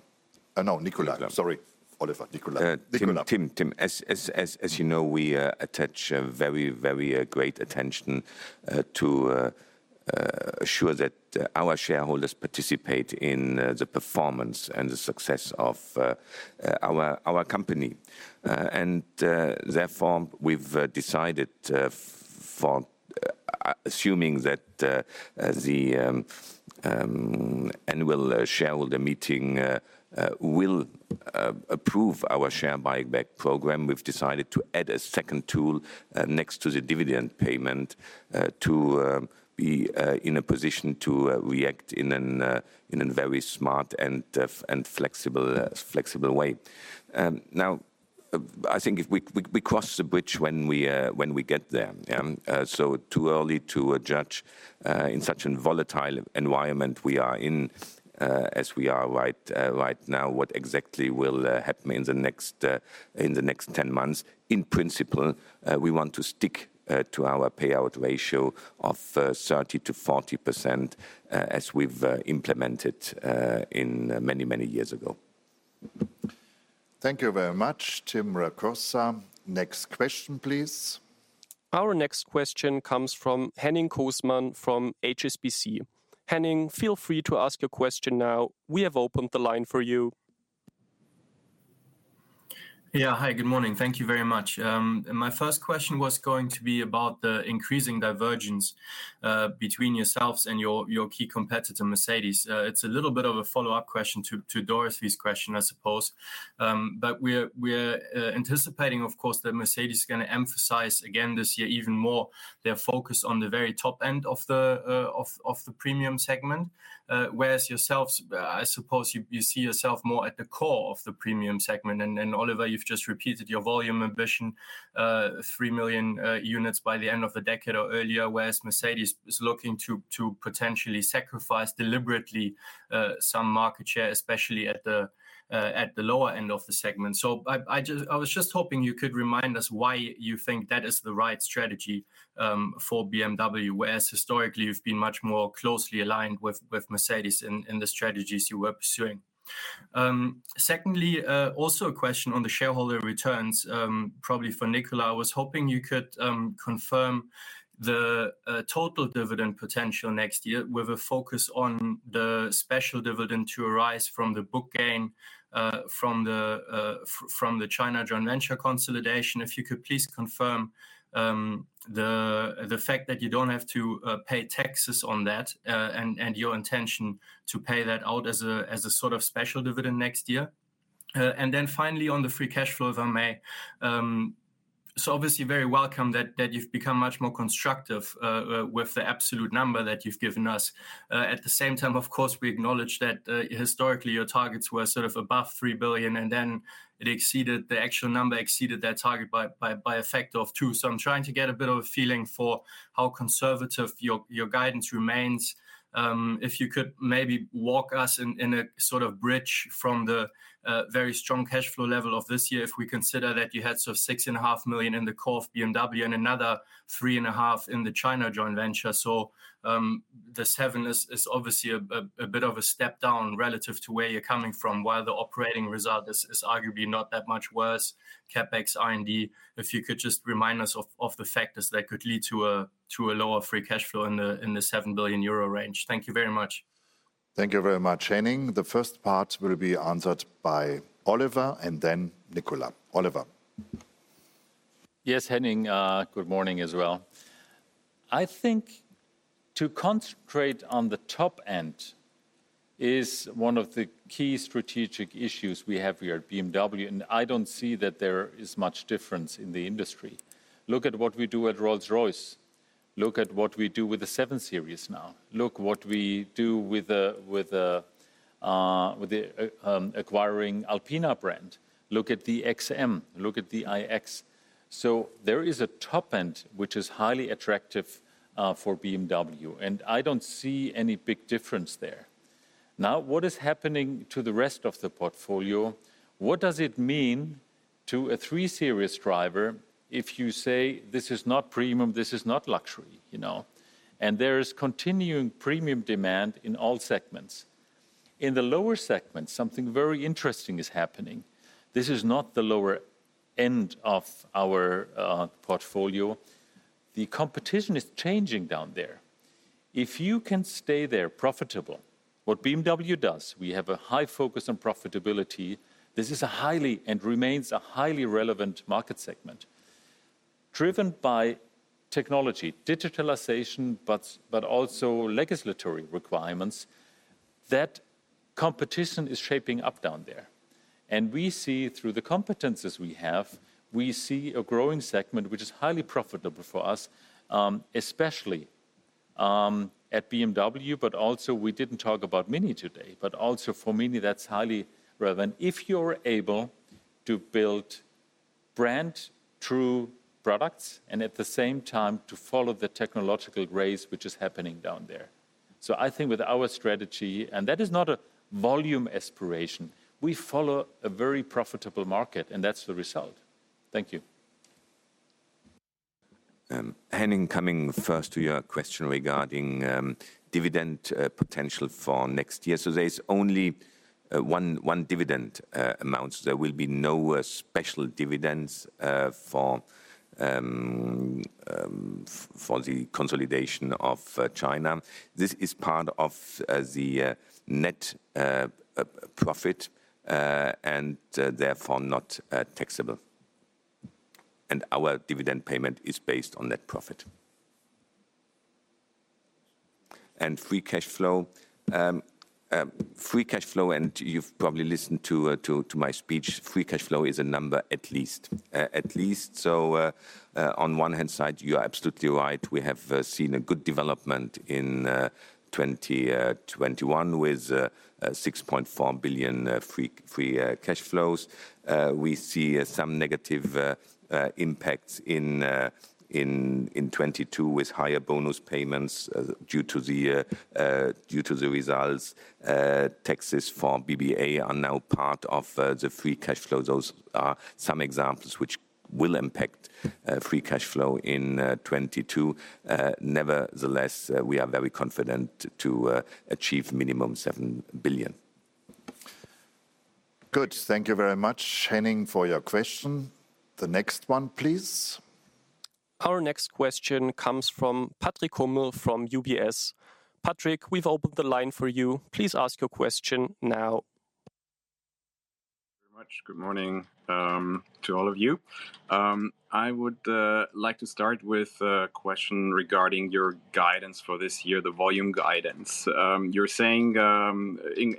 No, Nicolas. Nicolas. Sorry, Oliver. Nicolas. Tim, as you know, we attach very great attention to assure that our shareholders participate in the performance and the success of our company. Therefore, we've decided, assuming that the annual shareholder meeting will approve our share buyback program, to add a second tool next to the dividend payment to be in a position to react in a very smart and flexible way. Now, I think if we cross the bridge when we get there. Too early to judge, in such a volatile environment we are in, as we are right now, what exactly will happen in the next 10 months. In principle, we want to stick to our payout ratio of 30%-40%, as we've implemented in many, many years ago. Thank you very much, Tim Rokossa. Next question, please. Our next question comes from Henning Cosman from HSBC. Henning, feel free to ask your question now. We have opened the line for you. Yeah. Hi, good morning. Thank you very much. My first question was going to be about the increasing divergence between yourselves and your key competitor, Mercedes-Benz. It's a little bit of a follow-up question to Dorothy's question, I suppose. But we're anticipating, of course, that Mercedes-Benz is gonna emphasize again this year even more their focus on the very top end of the premium segment. Whereas yourselves, I suppose you see yourself more at the core of the premium segment. Oliver, you've just repeated your volume ambition, three million units by the end of the decade or earlier, whereas Mercedes-Benz is looking to potentially sacrifice deliberately some market share, especially at the lower end of the segment. I was just hoping you could remind us why you think that is the right strategy for BMW, whereas historically you've been much more closely aligned with Mercedes-Benz in the strategies you were pursuing. Secondly, also a question on the shareholder returns, probably for Nicolas. I was hoping you could confirm the total dividend potential next year with a focus on the special dividend to arise from the book gain from the China joint venture consolidation. If you could please confirm the fact that you don't have to pay taxes on that and your intention to pay that out as a sort of special dividend next year. Finally on the free cash flow, if I may. Obviously very welcome that you've become much more constructive with the absolute number that you've given us. At the same time, of course, we acknowledge that historically your targets were sort of above 3 billion, and then the actual number exceeded that target by a factor of two. I'm trying to get a bit of a feeling for how conservative your guidance remains. If you could maybe walk us in a sort of bridge from the very strong cash flow level of this year, if we consider that you had sort of 6.5 million in the core of BMW and another 3.5 million in the China joint venture. This HGB is obviously a bit of a step down relative to where you're coming from, while the operating result is arguably not that much worse. CapEx, R&D, if you could just remind us of the factors that could lead to a lower free cash flow in the 7 billion euro range. Thank you very much. Thank you very much, Henning. The first part will be answered by Oliver and then Nicolas. Oliver. Yes, Henning. Good morning as well. I think to concentrate on the top end is one of the key strategic issues we have here at BMW, and I don't see that there is much difference in the industry. Look at what we do at Rolls-Royce. Look at what we do with the 7 Series now. Look what we do with the acquiring Alpina brand. Look at the XM. Look at the iX. So there is a top end which is highly attractive for BMW, and I don't see any big difference there. Now, what is happening to the rest of the portfolio? What does it mean to a 3 Series driver if you say, "This is not premium, this is not luxury," you know? There is continuing premium demand in all segments. In the lower segment, something very interesting is happening. This is not the lower end of our portfolio. The competition is changing down there. If you can stay there profitable, what BMW does, we have a high focus on profitability. This is a highly relevant market segment and remains a highly relevant market segment. Driven by technology, digitalization, but also legislative requirements, that competition is shaping up down there. We see, through the competencies we have, a growing segment which is highly profitable for us, especially at BMW. We didn't talk about MINI today, but also for MINI, that's highly relevant. If you're able to build brand-true products and at the same time to follow the technological race which is happening down there. I think with our strategy, and that is not a volume aspiration, we follow a very profitable market, and that's the result. Thank you. Henning, coming first to your question regarding dividend potential for next year. There is only one dividend amount. There will be no special dividends for the consolidation of China. This is part of the net profit and therefore not taxable. Our dividend payment is based on net profit and free cash flow. Free cash flow, and you've probably listened to my speech, free cash flow is at least a number. At least. On one hand, you are absolutely right. We have seen a good development in 2021 with 6.4 billion free cash flow. We see some negative impacts in 2022 with higher bonus payments due to the results. Taxes for BBA are now part of the free cashflow. Those are some examples which will impact free cashflow in 2022. Nevertheless, we are very confident to achieve minimum 7 billion. Good. Thank you very much, Henning, for your question. The next one, please. Our next question comes from Patrick Hummel from UBS. Patrick, we've opened the line for you. Please ask your question now. Thank you very much. Good morning to all of you. I would like to start with a question regarding your guidance for this year, the volume guidance. You're saying,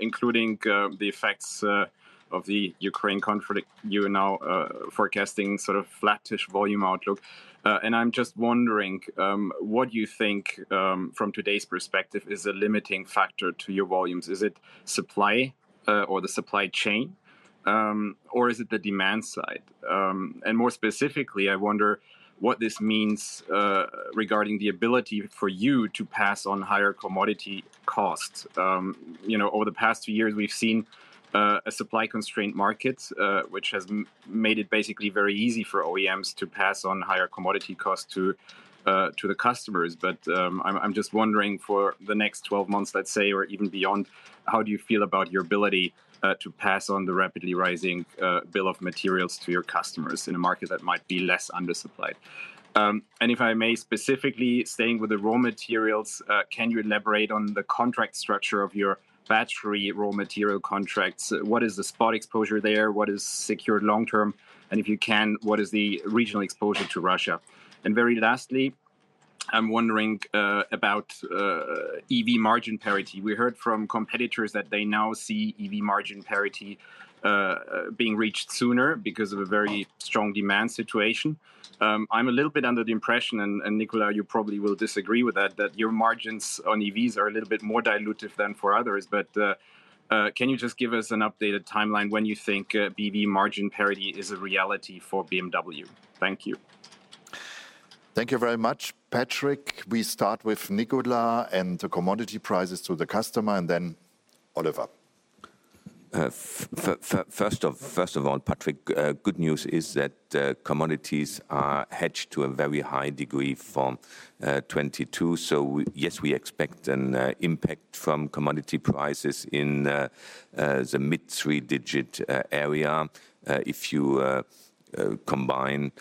including the effects of the Ukraine conflict, you are now forecasting sort of flattish volume outlook. I'm just wondering what you think from today's perspective is a limiting factor to your volumes. Is it supply or the supply chain? Or is it the demand side? More specifically, I wonder what this means regarding the ability for you to pass on higher commodity costs. You know, over the past few years, we've seen a supply constraint market which has made it basically very easy for OEMs to pass on higher commodity costs to the customers. I'm just wondering for the next 12 months, let's say, or even beyond, how do you feel about your ability to pass on the rapidly rising bill of materials to your customers in a market that might be less undersupplied? If I may specifically, staying with the raw materials, can you elaborate on the contract structure of your battery raw material contracts? What is the spot exposure there? What is secured long-term? And if you can, what is the regional exposure to Russia? Very lastly, I'm wondering about EV margin parity. We heard from competitors that they now see EV margin parity being reached sooner because of a very strong demand situation. I'm a little bit under the impression, and Nicola, you probably will disagree with that your margins on EVs are a little bit more dilutive than for others. Can you just give us an updated timeline when you think EV margin parity is a reality for BMW? Thank you. Thank you very much, Patrick. We start with Nicola and the commodity prices to the customer, and then Oliver. First of all, Patrick, good news is that commodities are hedged to a very high degree from 2022. Yes, we expect an impact from commodity prices in the mid-three-digit EUR area if you combine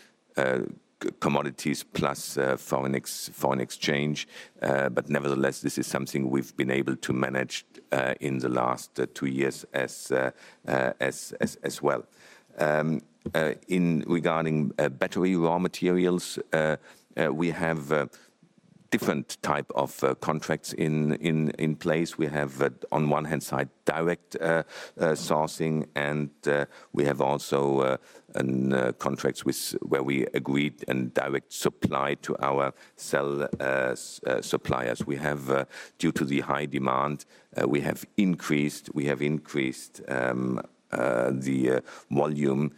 commodities plus foreign exchange. Nevertheless, this is something we've been able to manage in the last two years as well. Regarding battery raw materials, we have different type of contracts in place. We have on one hand side direct sourcing, and we have also contracts where we agreed on direct supply to our cell suppliers. We have due to the high demand we have increased the volume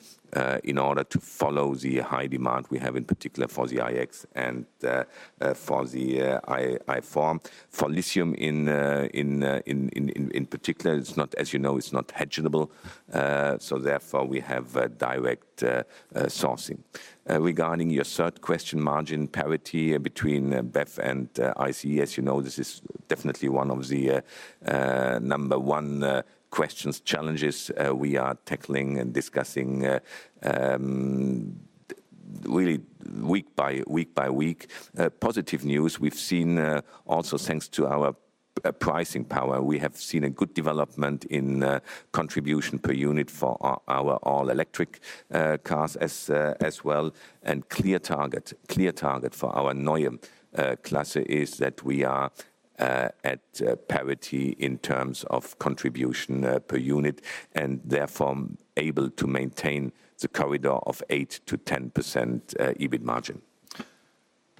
in order to follow the high demand we have in particular for the iX and for the i4. For lithium in particular, as you know, it's not hedgeable, so therefore we have a direct sourcing. Regarding your third question, margin parity between BEV and ICE, as you know, this is definitely one of the number one questions, challenges we are tackling and discussing really week by week. Positive news we've seen also thanks to our pricing power. We have seen a good development in contribution per unit for our all-electric cars as well, and clear target for our Neue Klasse is that we are at parity in terms of contribution per unit, and therefore able to maintain the corridor of 8%-10% EBIT margin.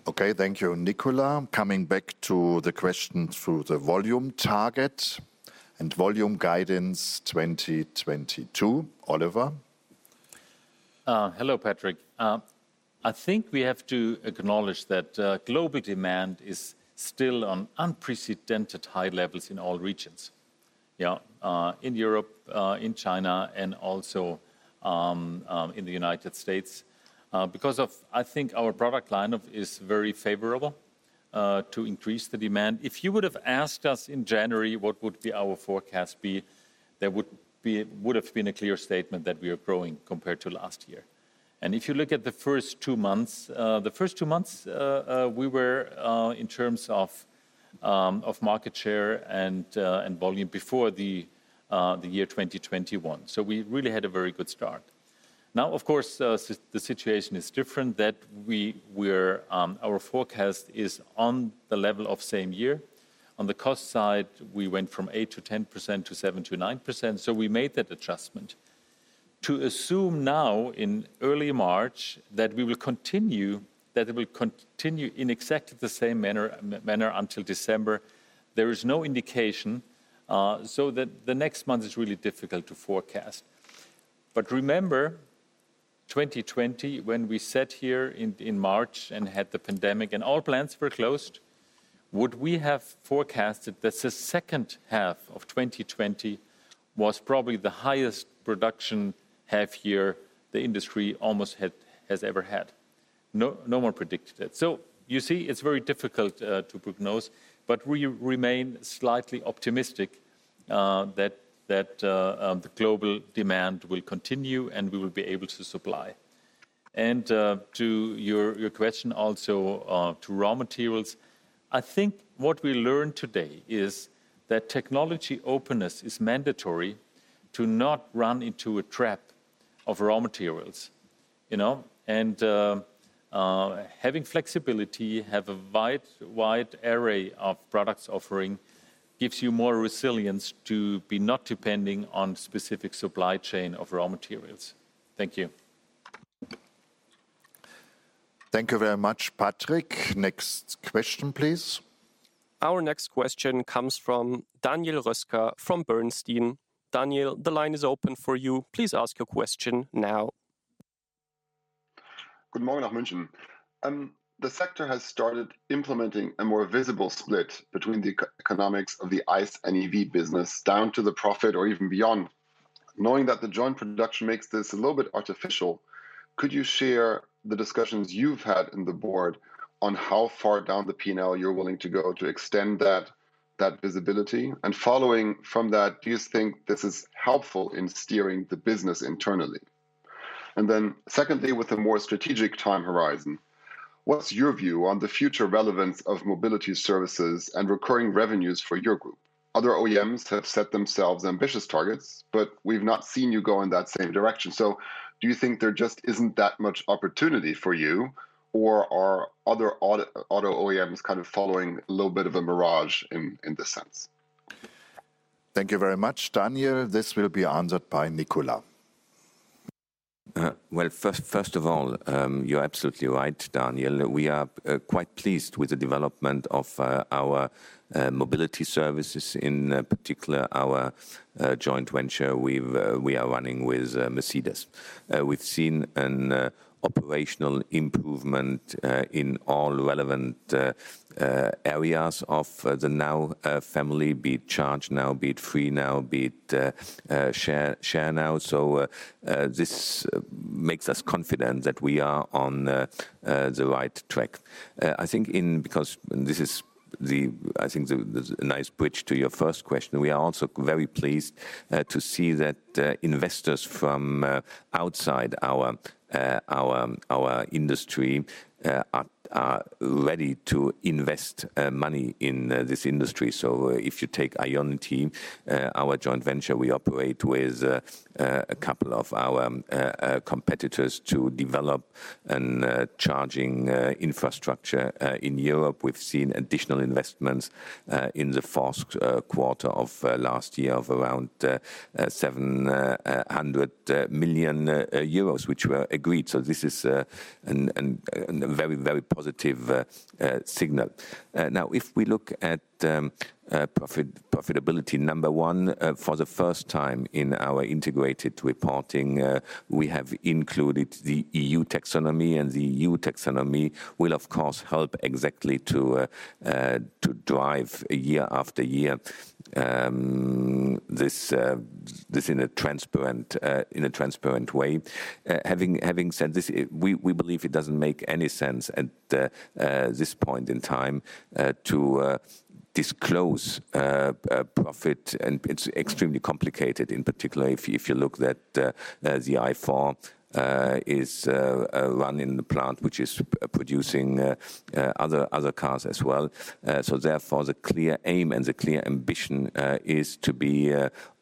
Okay. Thank you, Nicola. Coming back to the question, to the volume target and volume guidance 2022. Oliver? Hello, Patrick. I think we have to acknowledge that global demand is still on unprecedented high levels in all regions. In Europe, in China, and also in the United States. Because of, I think, our product line is very favorable to increase the demand. If you would have asked us in January what our forecast would be, there would have been a clear statement that we are growing compared to last year. If you look at the first two months, we were in terms of market share and volume better than the year 2021. We really had a very good start. Now, of course, the situation is different that we're our forecast is on the level of same year. On the cost side, we went from 8%-10% to 7%-9%, so we made that adjustment. To assume now in early March that we will continue, that it will continue in exactly the same manner until December, there is no indication, so the next month is really difficult to forecast. Remember, 2020, when we sat here in March and had the pandemic and all plants were closed, would we have forecasted that the second half of 2020 was probably the highest production half year the industry almost has ever had. No one predicted it. You see, it's very difficult to prognose, but we remain slightly optimistic that the global demand will continue, and we will be able to supply. To your question also to raw materials, I think what we learn today is that technology openness is mandatory to not run into a trap of raw materials. You know? Having flexibility, having a wide array of product offerings gives you more resilience to be not depending on specific supply chain of raw materials. Thank you. Thank you very much, Patrick. Next question, please. Our next question comes from Daniel Roeska from Bernstein. Daniel, the line is open for you. Please ask your question now. Good morning, München. The sector has started implementing a more visible split between the economics of the ICE and EV business down to the profit or even beyond. Knowing that the joint production makes this a little bit artificial, could you share the discussions you've had in the board on how far down the P&L you're willing to go to extend that visibility? And following from that, do you think this is helpful in steering the business internally? And then secondly, with a more strategic time horizon, what's your view on the future relevance of mobility services and recurring revenues for your group? Other OEMs have set themselves ambitious targets, but we've not seen you go in that same direction. Do you think there just isn't that much opportunity for you, or are other auto OEMs kind of following a little bit of a mirage in this sense? Thank you very much, Daniel. This will be answered by Nicolas. Well, first of all, you're absolutely right, Daniel. We are quite pleased with the development of our mobility services, in particular our joint venture we are running with Mercedes-Benz. We've seen an operational improvement in all relevant areas of the now family, be it ChargeNow, be it FreeNow, be it ShareNow. This makes us confident that we are on the right track. I think, because this is the nice bridge to your first question, we are also very pleased to see that investors from outside our industry are ready to invest money in this industry. If you take IONITY, our joint venture we operate with a couple of our competitors to develop a charging infrastructure in Europe, we've seen additional investments in the first quarter of last year of around 700 million euros, which were agreed. This is a very positive signal. Now, if we look at profitability, number one, for the first time in our integrated reporting, we have included the EU Taxonomy, and the EU Taxonomy will of course help exactly to drive year after year this in a transparent way. Having said this, we believe it doesn't make any sense at this point in time to disclose profit, and it's extremely complicated, in particular, if you look at that, the i4 is run in the plant, which is producing other cars as well. Therefore, the clear aim and the clear ambition is to be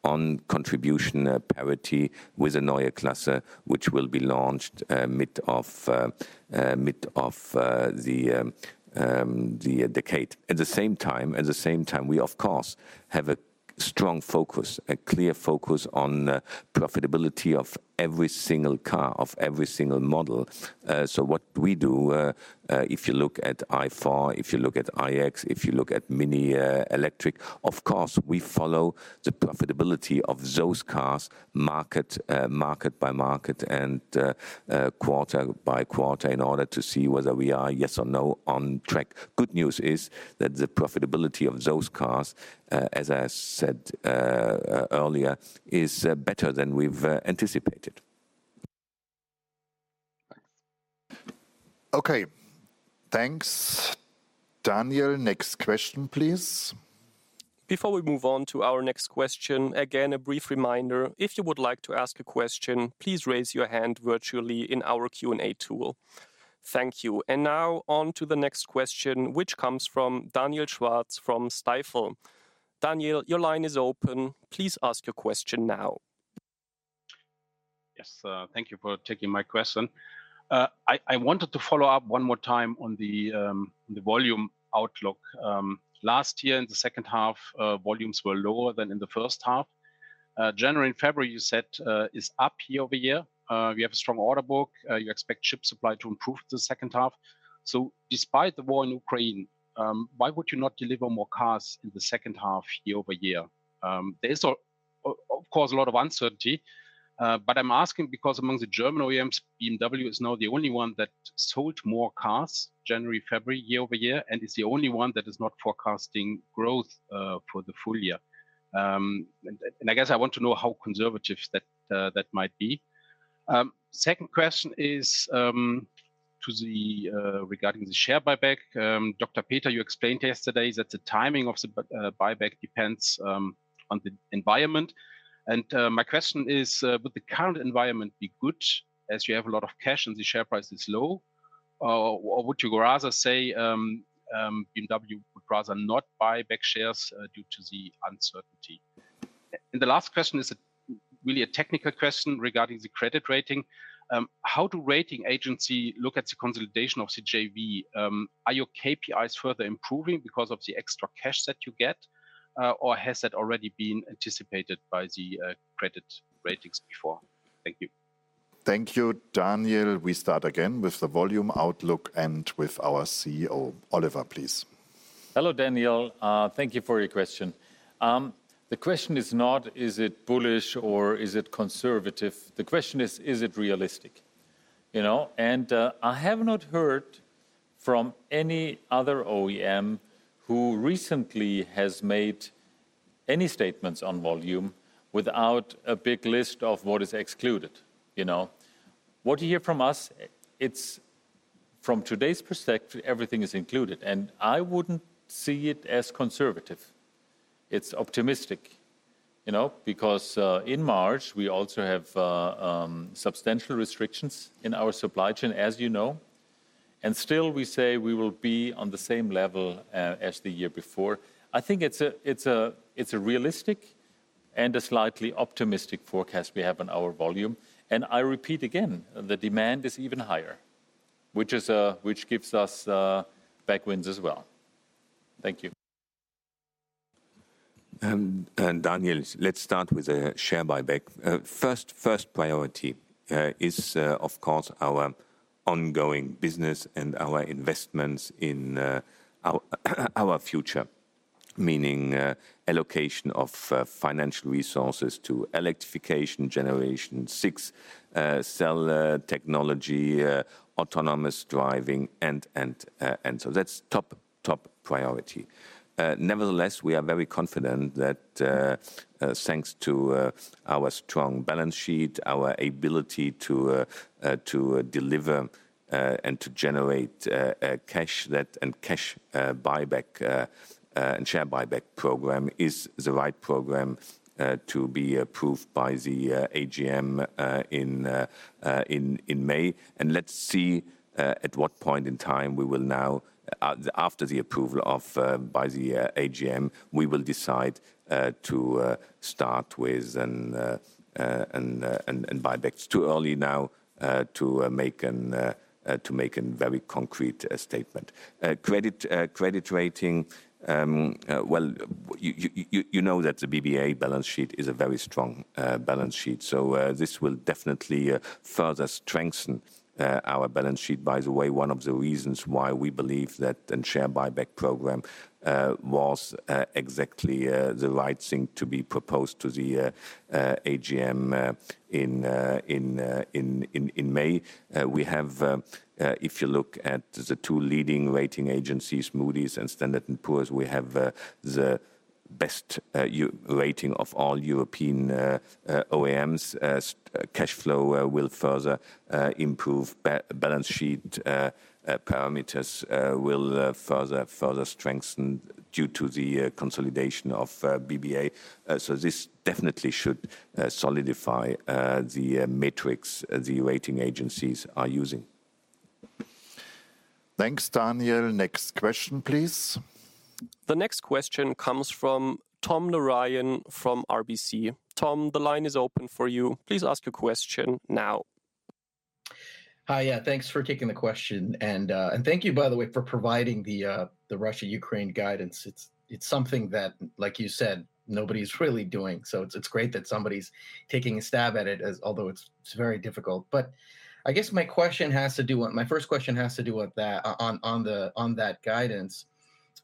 on contribution parity with the Neue Klasse, which will be launched mid of the decade. At the same time, we of course have a c- Strong focus, a clear focus on the profitability of every single car, of every single model. What we do, if you look at i4, if you look at iX, if you look at MINI Electric, of course, we follow the profitability of those cars market by market and quarter by quarter in order to see whether we are yes or no on track. Good news is that the profitability of those cars, as I said earlier, is better than we've anticipated. Okay. Thanks. Daniel, next question, please. Before we move on to our next question, again, a brief reminder, if you would like to ask a question, please raise your hand virtually in our Q&A tool. Thank you. Now on to the next question, which comes from Daniel Schwarz from Stifel. Daniel, your line is open. Please ask your question now. Yes, thank you for taking my question. I wanted to follow up one more time on the volume outlook. Last year, in the second half, volumes were lower than in the first half. January and February, you said, is up year-over-year. We have a strong order book. You expect chip supply to improve the second half. Despite the war in Ukraine, why would you not deliver more cars in the second half year-over-year? There is of course a lot of uncertainty, but I'm asking because among the German OEMs, BMW is now the only one that sold more cars January, February, year-over-year, and is the only one that is not forecasting growth for the full year. I guess I want to know how conservative that might be. Second question is regarding the share buyback. Dr. Peter, you explained yesterday that the timing of the buyback depends on the environment, and my question is, would the current environment be good, as you have a lot of cash and the share price is low, or would you rather say, BMW would rather not buy back shares due to the uncertainty? The last question is really a technical question regarding the credit rating. How do rating agency look at the consolidation of the JV? Are your KPIs further improving because of the extra cash that you get, or has that already been anticipated by the credit ratings before? Thank you. Thank you, Daniel. We start again with the volume outlook and with our CEO. Oliver, please. Hello, Daniel. Thank you for your question. The question is not, is it bullish or is it conservative? The question is it realistic? You know, and I have not heard from any other OEM who recently has made any statements on volume without a big list of what is excluded, you know? What you hear from us, it's from today's perspective, everything is included, and I wouldn't see it as conservative. It's optimistic, you know? Because in March, we also have substantial restrictions in our supply chain, as you know, and still we say we will be on the same level as the year before. I think it's a realistic and a slightly optimistic forecast we have on our volume. I repeat again, the demand is even higher, which gives us backwinds as well. Thank you. Daniel, let's start with the share buyback. First priority is of course our ongoing business and our investments in our future, meaning allocation of financial resources to electrification, Generation 6, cell technology, autonomous driving, and so that's top priority. Nevertheless, we are very confident that, thanks to our strong balance sheet, our ability to deliver and to generate cash, and share buyback program is the right program to be approved by the AGM in May. Let's see at what point in time we will now the. After the approval by the AGM, we will decide to start with a buyback. It's too early now to make a very concrete statement. Credit rating, well, you know that the BBA balance sheet is a very strong balance sheet, so this will definitely further strengthen our balance sheet. By the way, one of the reasons why we believe that the share buyback program was exactly the right thing to be proposed to the AGM in May. If you look at the two leading rating agencies, Moody's and Standard & Poor's, we have the best A- rating of all European OEMs. Cash flow will further improve. Balance sheet parameters will further strengthen due to the consolidation of BBA. This definitely should solidify the metrics the rating agencies are using. Thanks, Daniel. Next question, please. The next question comes from Tom Narayan from RBC. Tom, the line is open for you. Please ask your question now. Hi. Yeah, thanks for taking the question, and thank you, by the way, for providing the Russia-Ukraine guidance. It's something that, like you said, nobody's really doing, so it's great that somebody's taking a stab at it although it's very difficult. I guess my question has to do with my first question has to do with that on that guidance.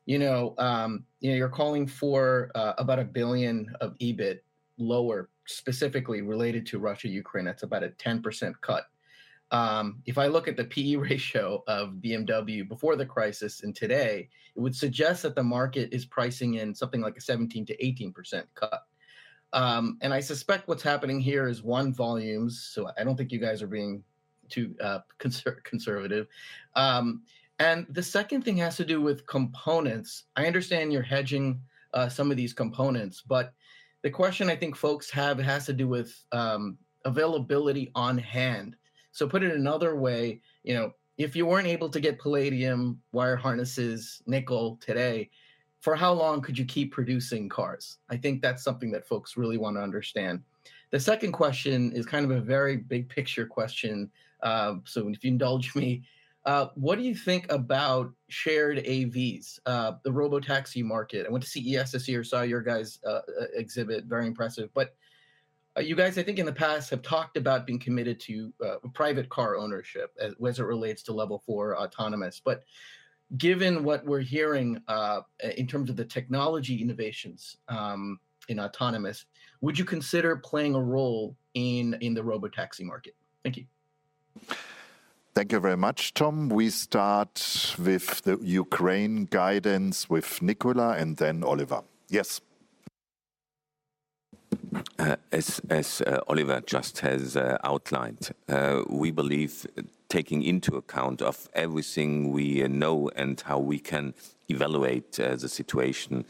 You know, you're calling for about 1 billion of EBIT lower, specifically related to Russia-Ukraine. That's about a 10% cut. If I look at the P/E ratio of BMW before the crisis and today, it would suggest that the market is pricing in something like a 17%-18% cut. I suspect what's happening here is, one, volumes, so I don't think you guys are being too conservative. The second thing has to do with components. I understand you're hedging some of these components, but the question I think folks have has to do with availability on hand. Put it another way, you know, if you weren't able to get palladium, wire harnesses, nickel today, for how long could you keep producing cars? I think that's something that folks really wanna understand. The second question is kind of a very big picture question, if you indulge me, what do you think about shared AVs, the robotaxi market? I went to CES this year, saw your guys' exhibit, very impressive. You guys, I think in the past, have talked about being committed to private car ownership as it relates to Level 4 autonomous. Given what we're hearing in terms of the technology innovations in autonomous, would you consider playing a role in the robotaxi market? Thank you. Thank you very much, Tom. We start with the Ukraine guidance with Nicola and then Oliver. Yes. As Oliver just has outlined, we believe taking into account everything we know and how we can evaluate the situation,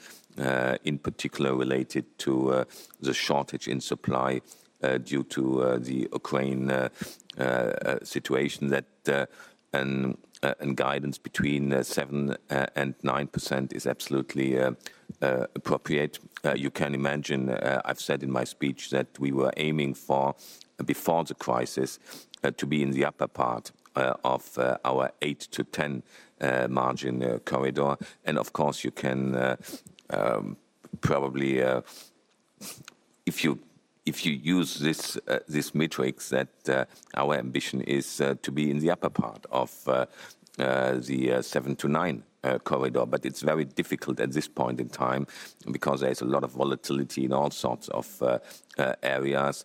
in particular related to the shortage in supply due to the Ukraine situation, and guidance between 7%-9% is absolutely appropriate. You can imagine, I've said in my speech that we were aiming for, before the crisis, to be in the upper part of our 8%-10% margin corridor. Of course you can probably, if you use this matrix that our ambition is to be in the upper part of the 7%-9% corridor. It's very difficult at this point in time because there is a lot of volatility in all sorts of areas.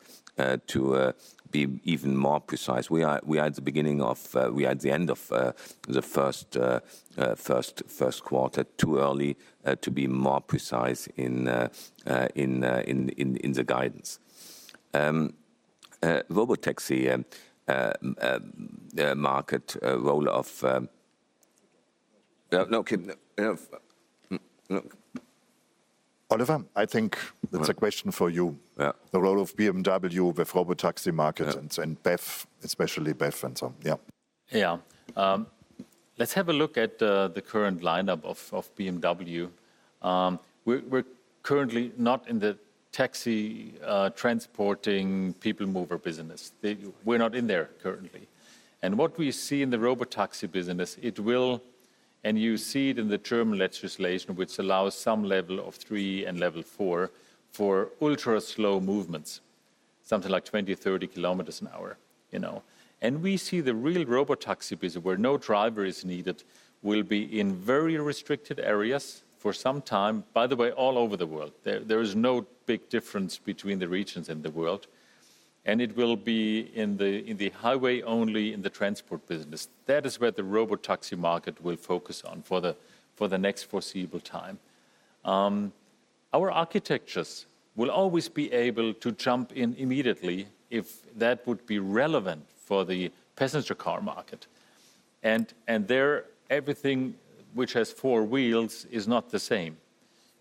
To be even more precise, we are at the end of the first quarter, too early to be more precise in the guidance. Oliver, I think that's a question for you. Yeah. The role of BMW with robotaxi markets. Yeah BEV, especially BEV and so on. Yeah. Let's have a look at the current lineup of BMW. We're currently not in the taxi transporting people mover business. We're not in there currently. What we see in the robotaxi business, it will, and you see it in the German legislation, which allows some Level 3 and Level 4 for ultra-slow movements, something like 20-30 km/h, you know. We see the real robotaxi business, where no driver is needed, will be in very restricted areas for some time, by the way, all over the world. There is no big difference between the regions in the world, and it will be in the highway only, in the transport business. That is where the robotaxi market will focus on for the next foreseeable time. Our architectures will always be able to jump in immediately if that would be relevant for the passenger car market. There, everything which has four wheels is not the same,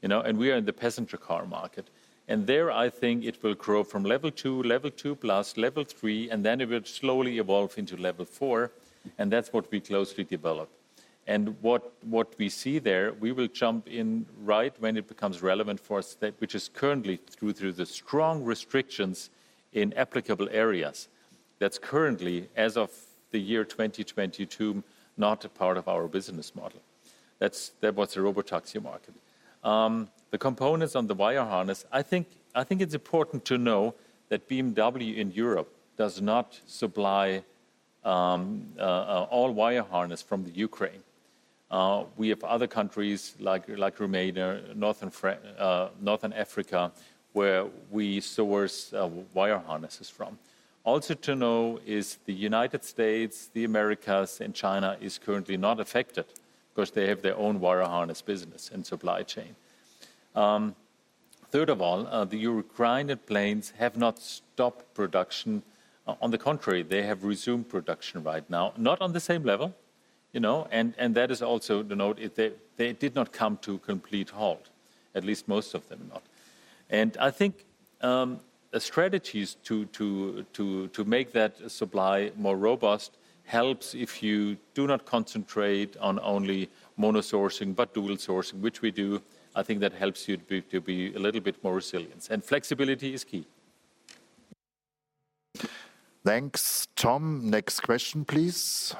you know, and we are in the passenger car market. There, I think it will grow from Level 2, Level 2 plus, Level 3, and then it will slowly evolve into Level 4, and that's what we closely develop. What we see there, we will jump in right when it becomes relevant for a state, which is currently through the strong restrictions in applicable areas. That's currently, as of the year 2022, not a part of our business model. That's what's the robotaxi market. The components on the wire harness, I think it's important to know that BMW in Europe does not supply all wire harness from the Ukraine. We have other countries like Romania, Northern Africa, where we source wire harnesses from. Also to know is the United States, the Americas, and China is currently not affected because they have their own wire harness business and supply chain. Third of all, the Ukraine plants have not stopped production. On the contrary, they have resumed production right now, not on the same level, you know, and that is also to note, they did not come to a complete halt, at least most of them not. I think strategies to make that supply more robust helps if you do not concentrate on only mono-sourcing but dual sourcing, which we do. I think that helps you to be a little bit more resilient, and flexibility is key. Thanks, Tom. Next question, please.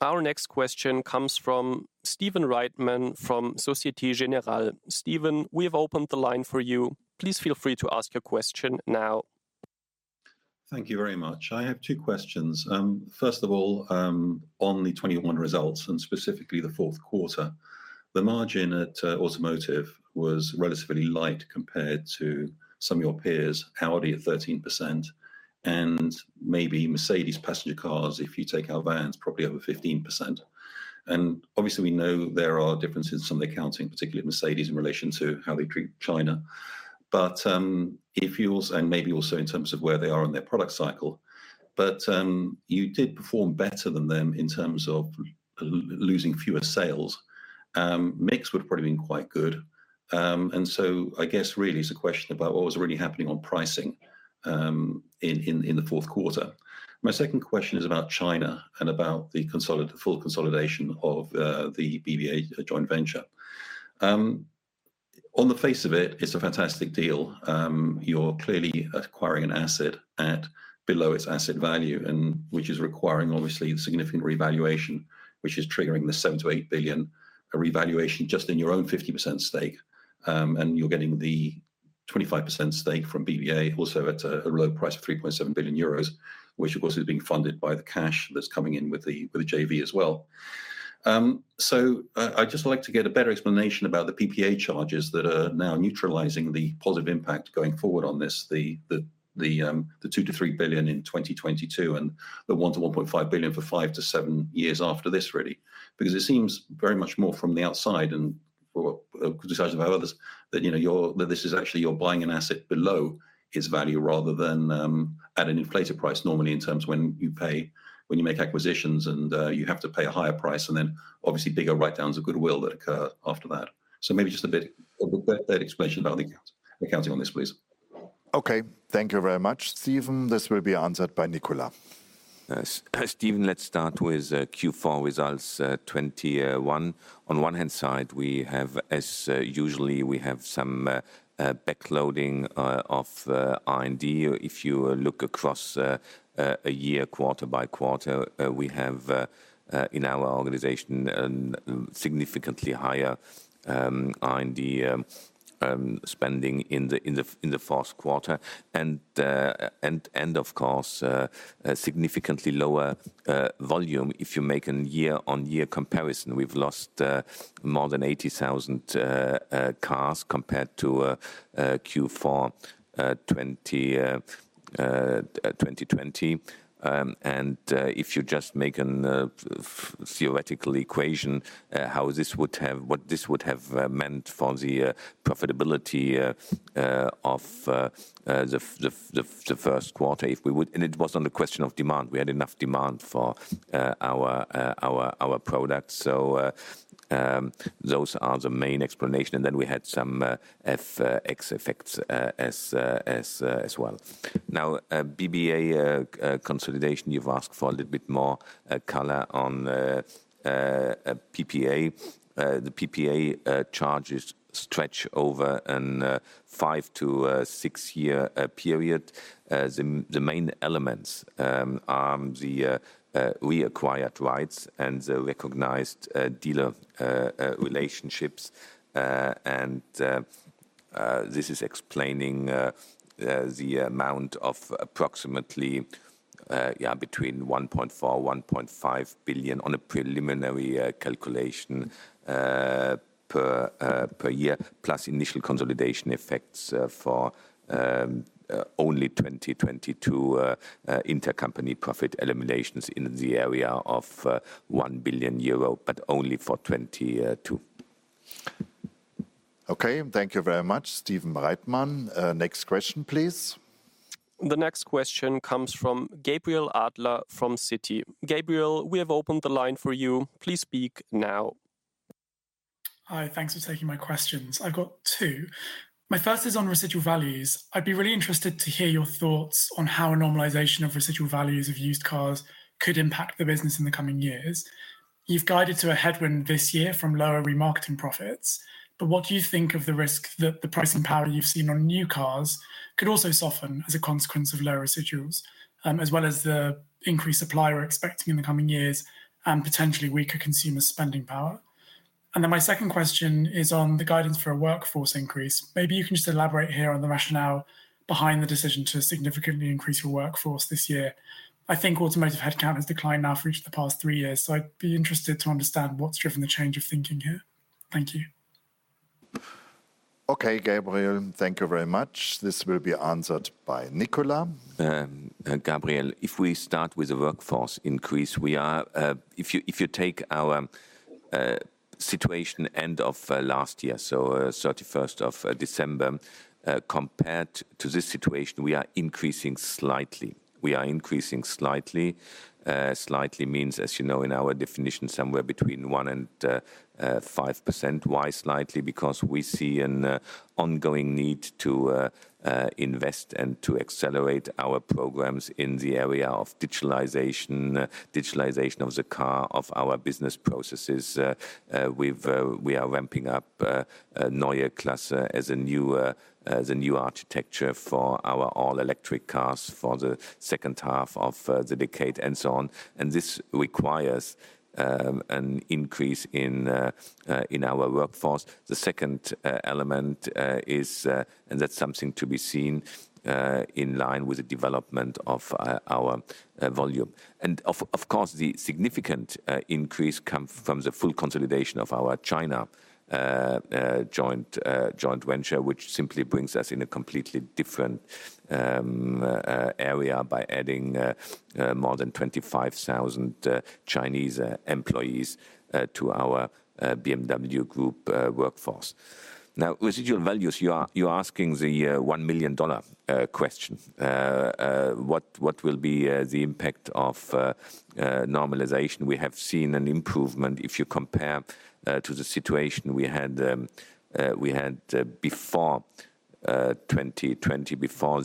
Our next question comes from Stephen Reitman from Société Générale. Steven, we have opened the line for you. Please feel free to ask your question now. Thank you very much. I have two questions. First of all, on the 2021 results and specifically the fourth quarter, the margin at automotive was relatively light compared to some of your peers, Audi at 13% and maybe Mercedes passenger cars, if you take out vans, probably over 15%. Obviously, we know there are differences in some of the accounting, particularly at Mercedes in relation to how they treat China. But if you also maybe also in terms of where they are in their product cycle. But you did perform better than them in terms of losing fewer sales. Mix would have probably been quite good. I guess really it's a question about what was really happening on pricing in the fourth quarter. My second question is about China and about the full consolidation of the BBA joint venture. On the face of it's a fantastic deal. You're clearly acquiring an asset at below its asset value and which is requiring obviously significant revaluation, which is triggering the 7 billion-8 billion revaluation just in your own 50% stake, and you're getting the 25% stake from BBA also at a low price of 3.7 billion euros, which of course is being funded by the cash that's coming in with the JV as well. I'd just like to get a better explanation about the PPA charges that are now neutralizing the positive impact going forward on this, the 2 billion-3 billion in 2022 and the 1 billion-1.5 billion for 5-7 years after this, really. Because it seems very much more from the outside and from decisions of others that, you know, that this is actually you're buying an asset below its value rather than at an inflated price normally in terms when you pay, when you make acquisitions and you have to pay a higher price and then obviously bigger write-downs of goodwill that occur after that. Maybe just a bit, a better explanation about the accounting on this, please. Okay. Thank you very much, Stephen. This will be answered by Nicolas. Yes. Steven, let's start with Q4 results 2021. On the one hand, we have, as usual, some backloading of R&D. If you look across a year, quarter by quarter, we have in our organization significantly higher R&D spending in the fourth quarter. Of course, a significantly lower volume if you make a year-on-year comparison. We've lost more than 80,000 cars compared to Q4 2020. If you just make a theoretical equation, what this would have meant for the profitability of the first quarter, if we would... It was on the question of demand. We had enough demand for our products. Those are the main explanation. We had some FX effects as well. Now, BBA consolidation, you've asked for a little bit more color on PPA. The PPA charges stretch over a 5-6-year period. The main elements are the reacquired rights and the recognized dealer relationships. This is explaining the amount of approximately between 1.4-1.5 billion on a preliminary calculation per year, plus initial consolidation effects for only 2022, intercompany profit eliminations in the area of 1 billion euro, but only for 2022. Okay. Thank you very much, Stephen Reitman. Next question, please. The next question comes from Gabriel Adler from Citi. Gabriel, we have opened the line for you. Please speak now. Hi. Thanks for taking my questions. I've got two. My first is on residual values. I'd be really interested to hear your thoughts on how a normalization of residual values of used cars could impact the business in the coming years. You've guided to a headwind this year from lower remarketing profits, but what do you think of the risk that the pricing power you've seen on new cars could also soften as a consequence of lower residuals, as well as the increased supply we're expecting in the coming years and potentially weaker consumer spending power? My second question is on the guidance for a workforce increase. Maybe you can just elaborate here on the rationale behind the decision to significantly increase your workforce this year. I think automotive headcount has declined now for each of the past three years, so I'd be interested to understand what's driven the change of thinking here. Thank you. Okay, Gabriel, thank you very much. This will be answered by Nicolas. Gabriel, if we start with the workforce increase, we are, if you take our situation end of last year, so, 31st of December, compared to this situation, we are increasing slightly. Slightly means, as you know in our definition, somewhere between 1%-5%. Why slightly? Because we see an ongoing need to invest and to accelerate our programs in the area of digitalization of the car, of our business processes. We are ramping up Neue Klasse as a new architecture for our all-electric cars for the second half of the decade and so on. This requires an increase in our workforce. The second element is and that's something to be seen in line with the development of our volume. Of course, the significant increase comes from the full consolidation of our China joint venture, which simply brings us in a completely different area by adding more than 25,000 Chinese employees to our BMW Group workforce. Now, residual values, you're asking the $1 million question. What will be the impact of normalization? We have seen an improvement. If you compare to the situation we had before 2020, before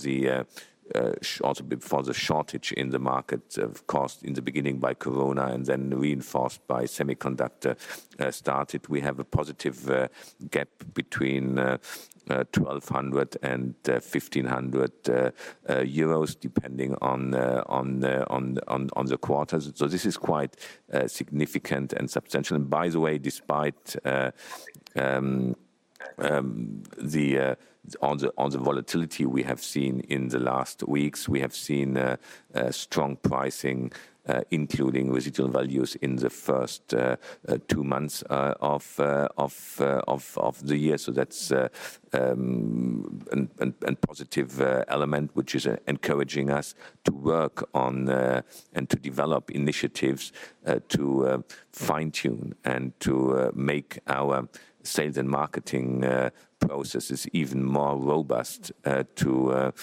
also the shortage in the market, of course, in the beginning by Corona and then reinforced by the semiconductor shortage. We have a positive gap between EUR 1,200-EUR 1,500, depending on the quarters. This is quite significant and substantial. By the way, despite the volatility we have seen in the last weeks, we have seen strong pricing, including residual values in the first two months of the year. That's a positive element, which is encouraging us to work on and to develop initiatives to fine-tune and to make our sales and marketing processes even more robust, to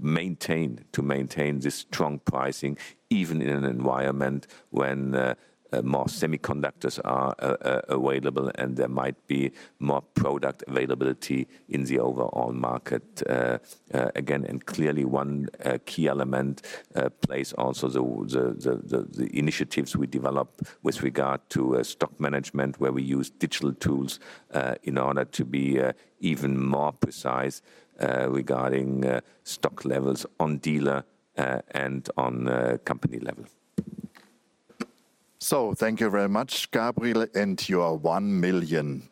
maintain the strong pricing even in an environment when more semiconductors are available and there might be more product availability in the overall market. Again, clearly one key element plays also the initiatives we develop with regard to stock management, where we use digital tools in order to be even more precise regarding stock levels on dealer and on company level. Thank you very much, Gabriel, and your $1 million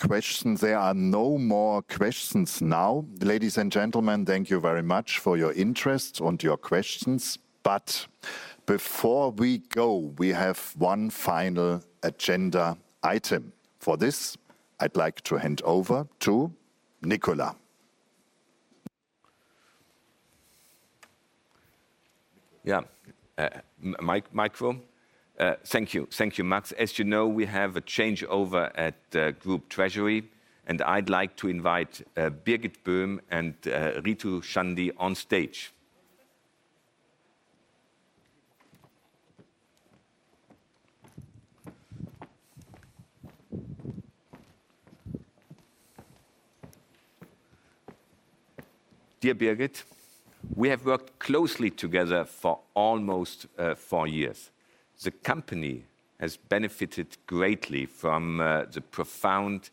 question. There are no more questions now. Ladies and gentlemen, thank you very much for your interest and your questions. Before we go, we have one final agenda item. For this, I'd like to hand over to Nicolas. Thank you. Thank you, Max. As you know, we have a changeover at Group Treasury, and I'd like to invite Birgit Böhm-Wannenwetsch and Ritu Chandy on stage. Dear Birgit, we have worked closely together for almost four years. The company has benefited greatly from the profound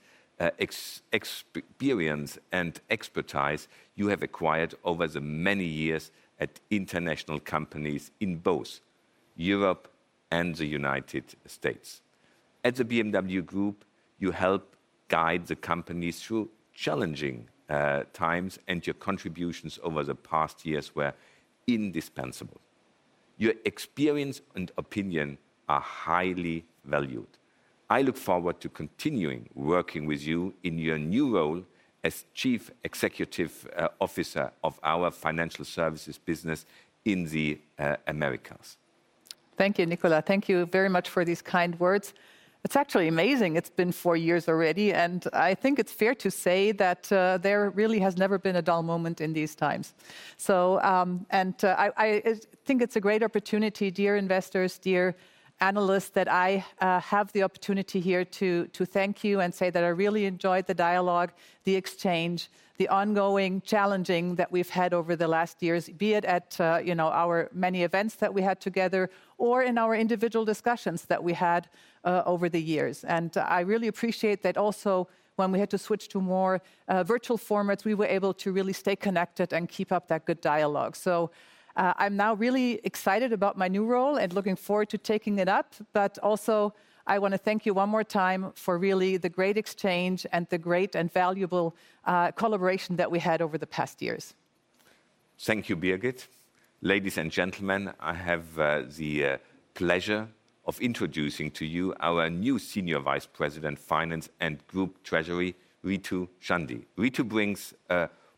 experience and expertise you have acquired over the many years at international companies in both Europe and the United States. At the BMW Group, you helped guide the company through challenging times, and your contributions over the past years were indispensable. Your experience and opinion are highly valued. I look forward to continuing working with you in your new role as Chief Executive Officer of our financial services business in the Americas. Thank you, Nicolas. Thank you very much for these kind words. It's actually amazing it's been four years already, and I think it's fair to say that there really has never been a dull moment in these times. I think it's a great opportunity, dear investors, dear analysts, that I have the opportunity here to thank you and say that I really enjoyed the dialogue, the exchange, the ongoing challenging that we've had over the last years, be it at you know, our many events that we had together or in our individual discussions that we had over the years. I really appreciate that also when we had to switch to more virtual formats, we were able to really stay connected and keep up that good dialogue. I'm now really excited about my new role and looking forward to taking it up. Also, I want to thank you one more time for really the great exchange and the great and valuable collaboration that we had over the past years. Thank you, Birgit. Ladies and gentlemen, I have the pleasure of introducing to you our new Senior Vice President, Finance and Group Treasury, Ritu Chandy. Ritu brings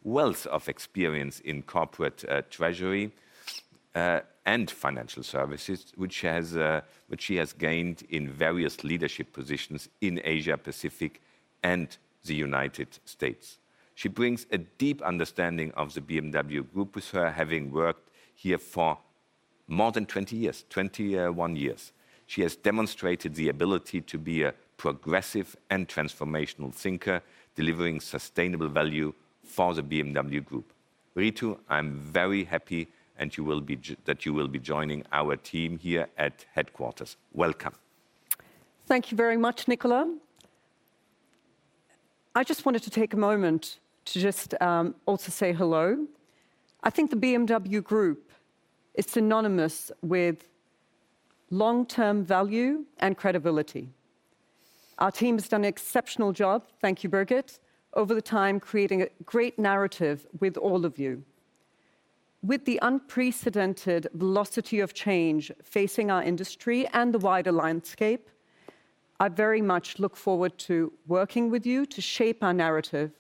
a wealth of experience in corporate treasury and financial services, which she has gained in various leadership positions in Asia-Pacific and the United States. She brings a deep understanding of the BMW Group with her, having worked here for more than 20 years, 21 years. She has demonstrated the ability to be a progressive and transformational thinker, delivering sustainable value for the BMW Group. Ritu, I'm very happy that you will be joining our team here at headquarters. Welcome. Thank you very much, Nicolas. I just wanted to take a moment to just also say hello. I think the BMW Group is synonymous with long-term value and credibility. Our team has done an exceptional job, thank you, Birgit, over the time, creating a great narrative with all of you. With the unprecedented velocity of change facing our industry and the wider landscape, I very much look forward to working with you to shape our narrative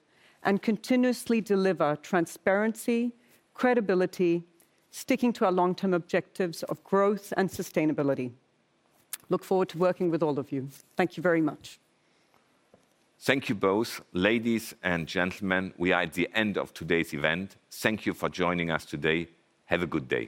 and continuously deliver transparency, credibility, sticking to our long-term objectives of growth and sustainability. I look forward to working with all of you. Thank you very much. Thank you both. Ladies and gentlemen, we are at the end of today's event. Thank you for joining us today. Have a good day.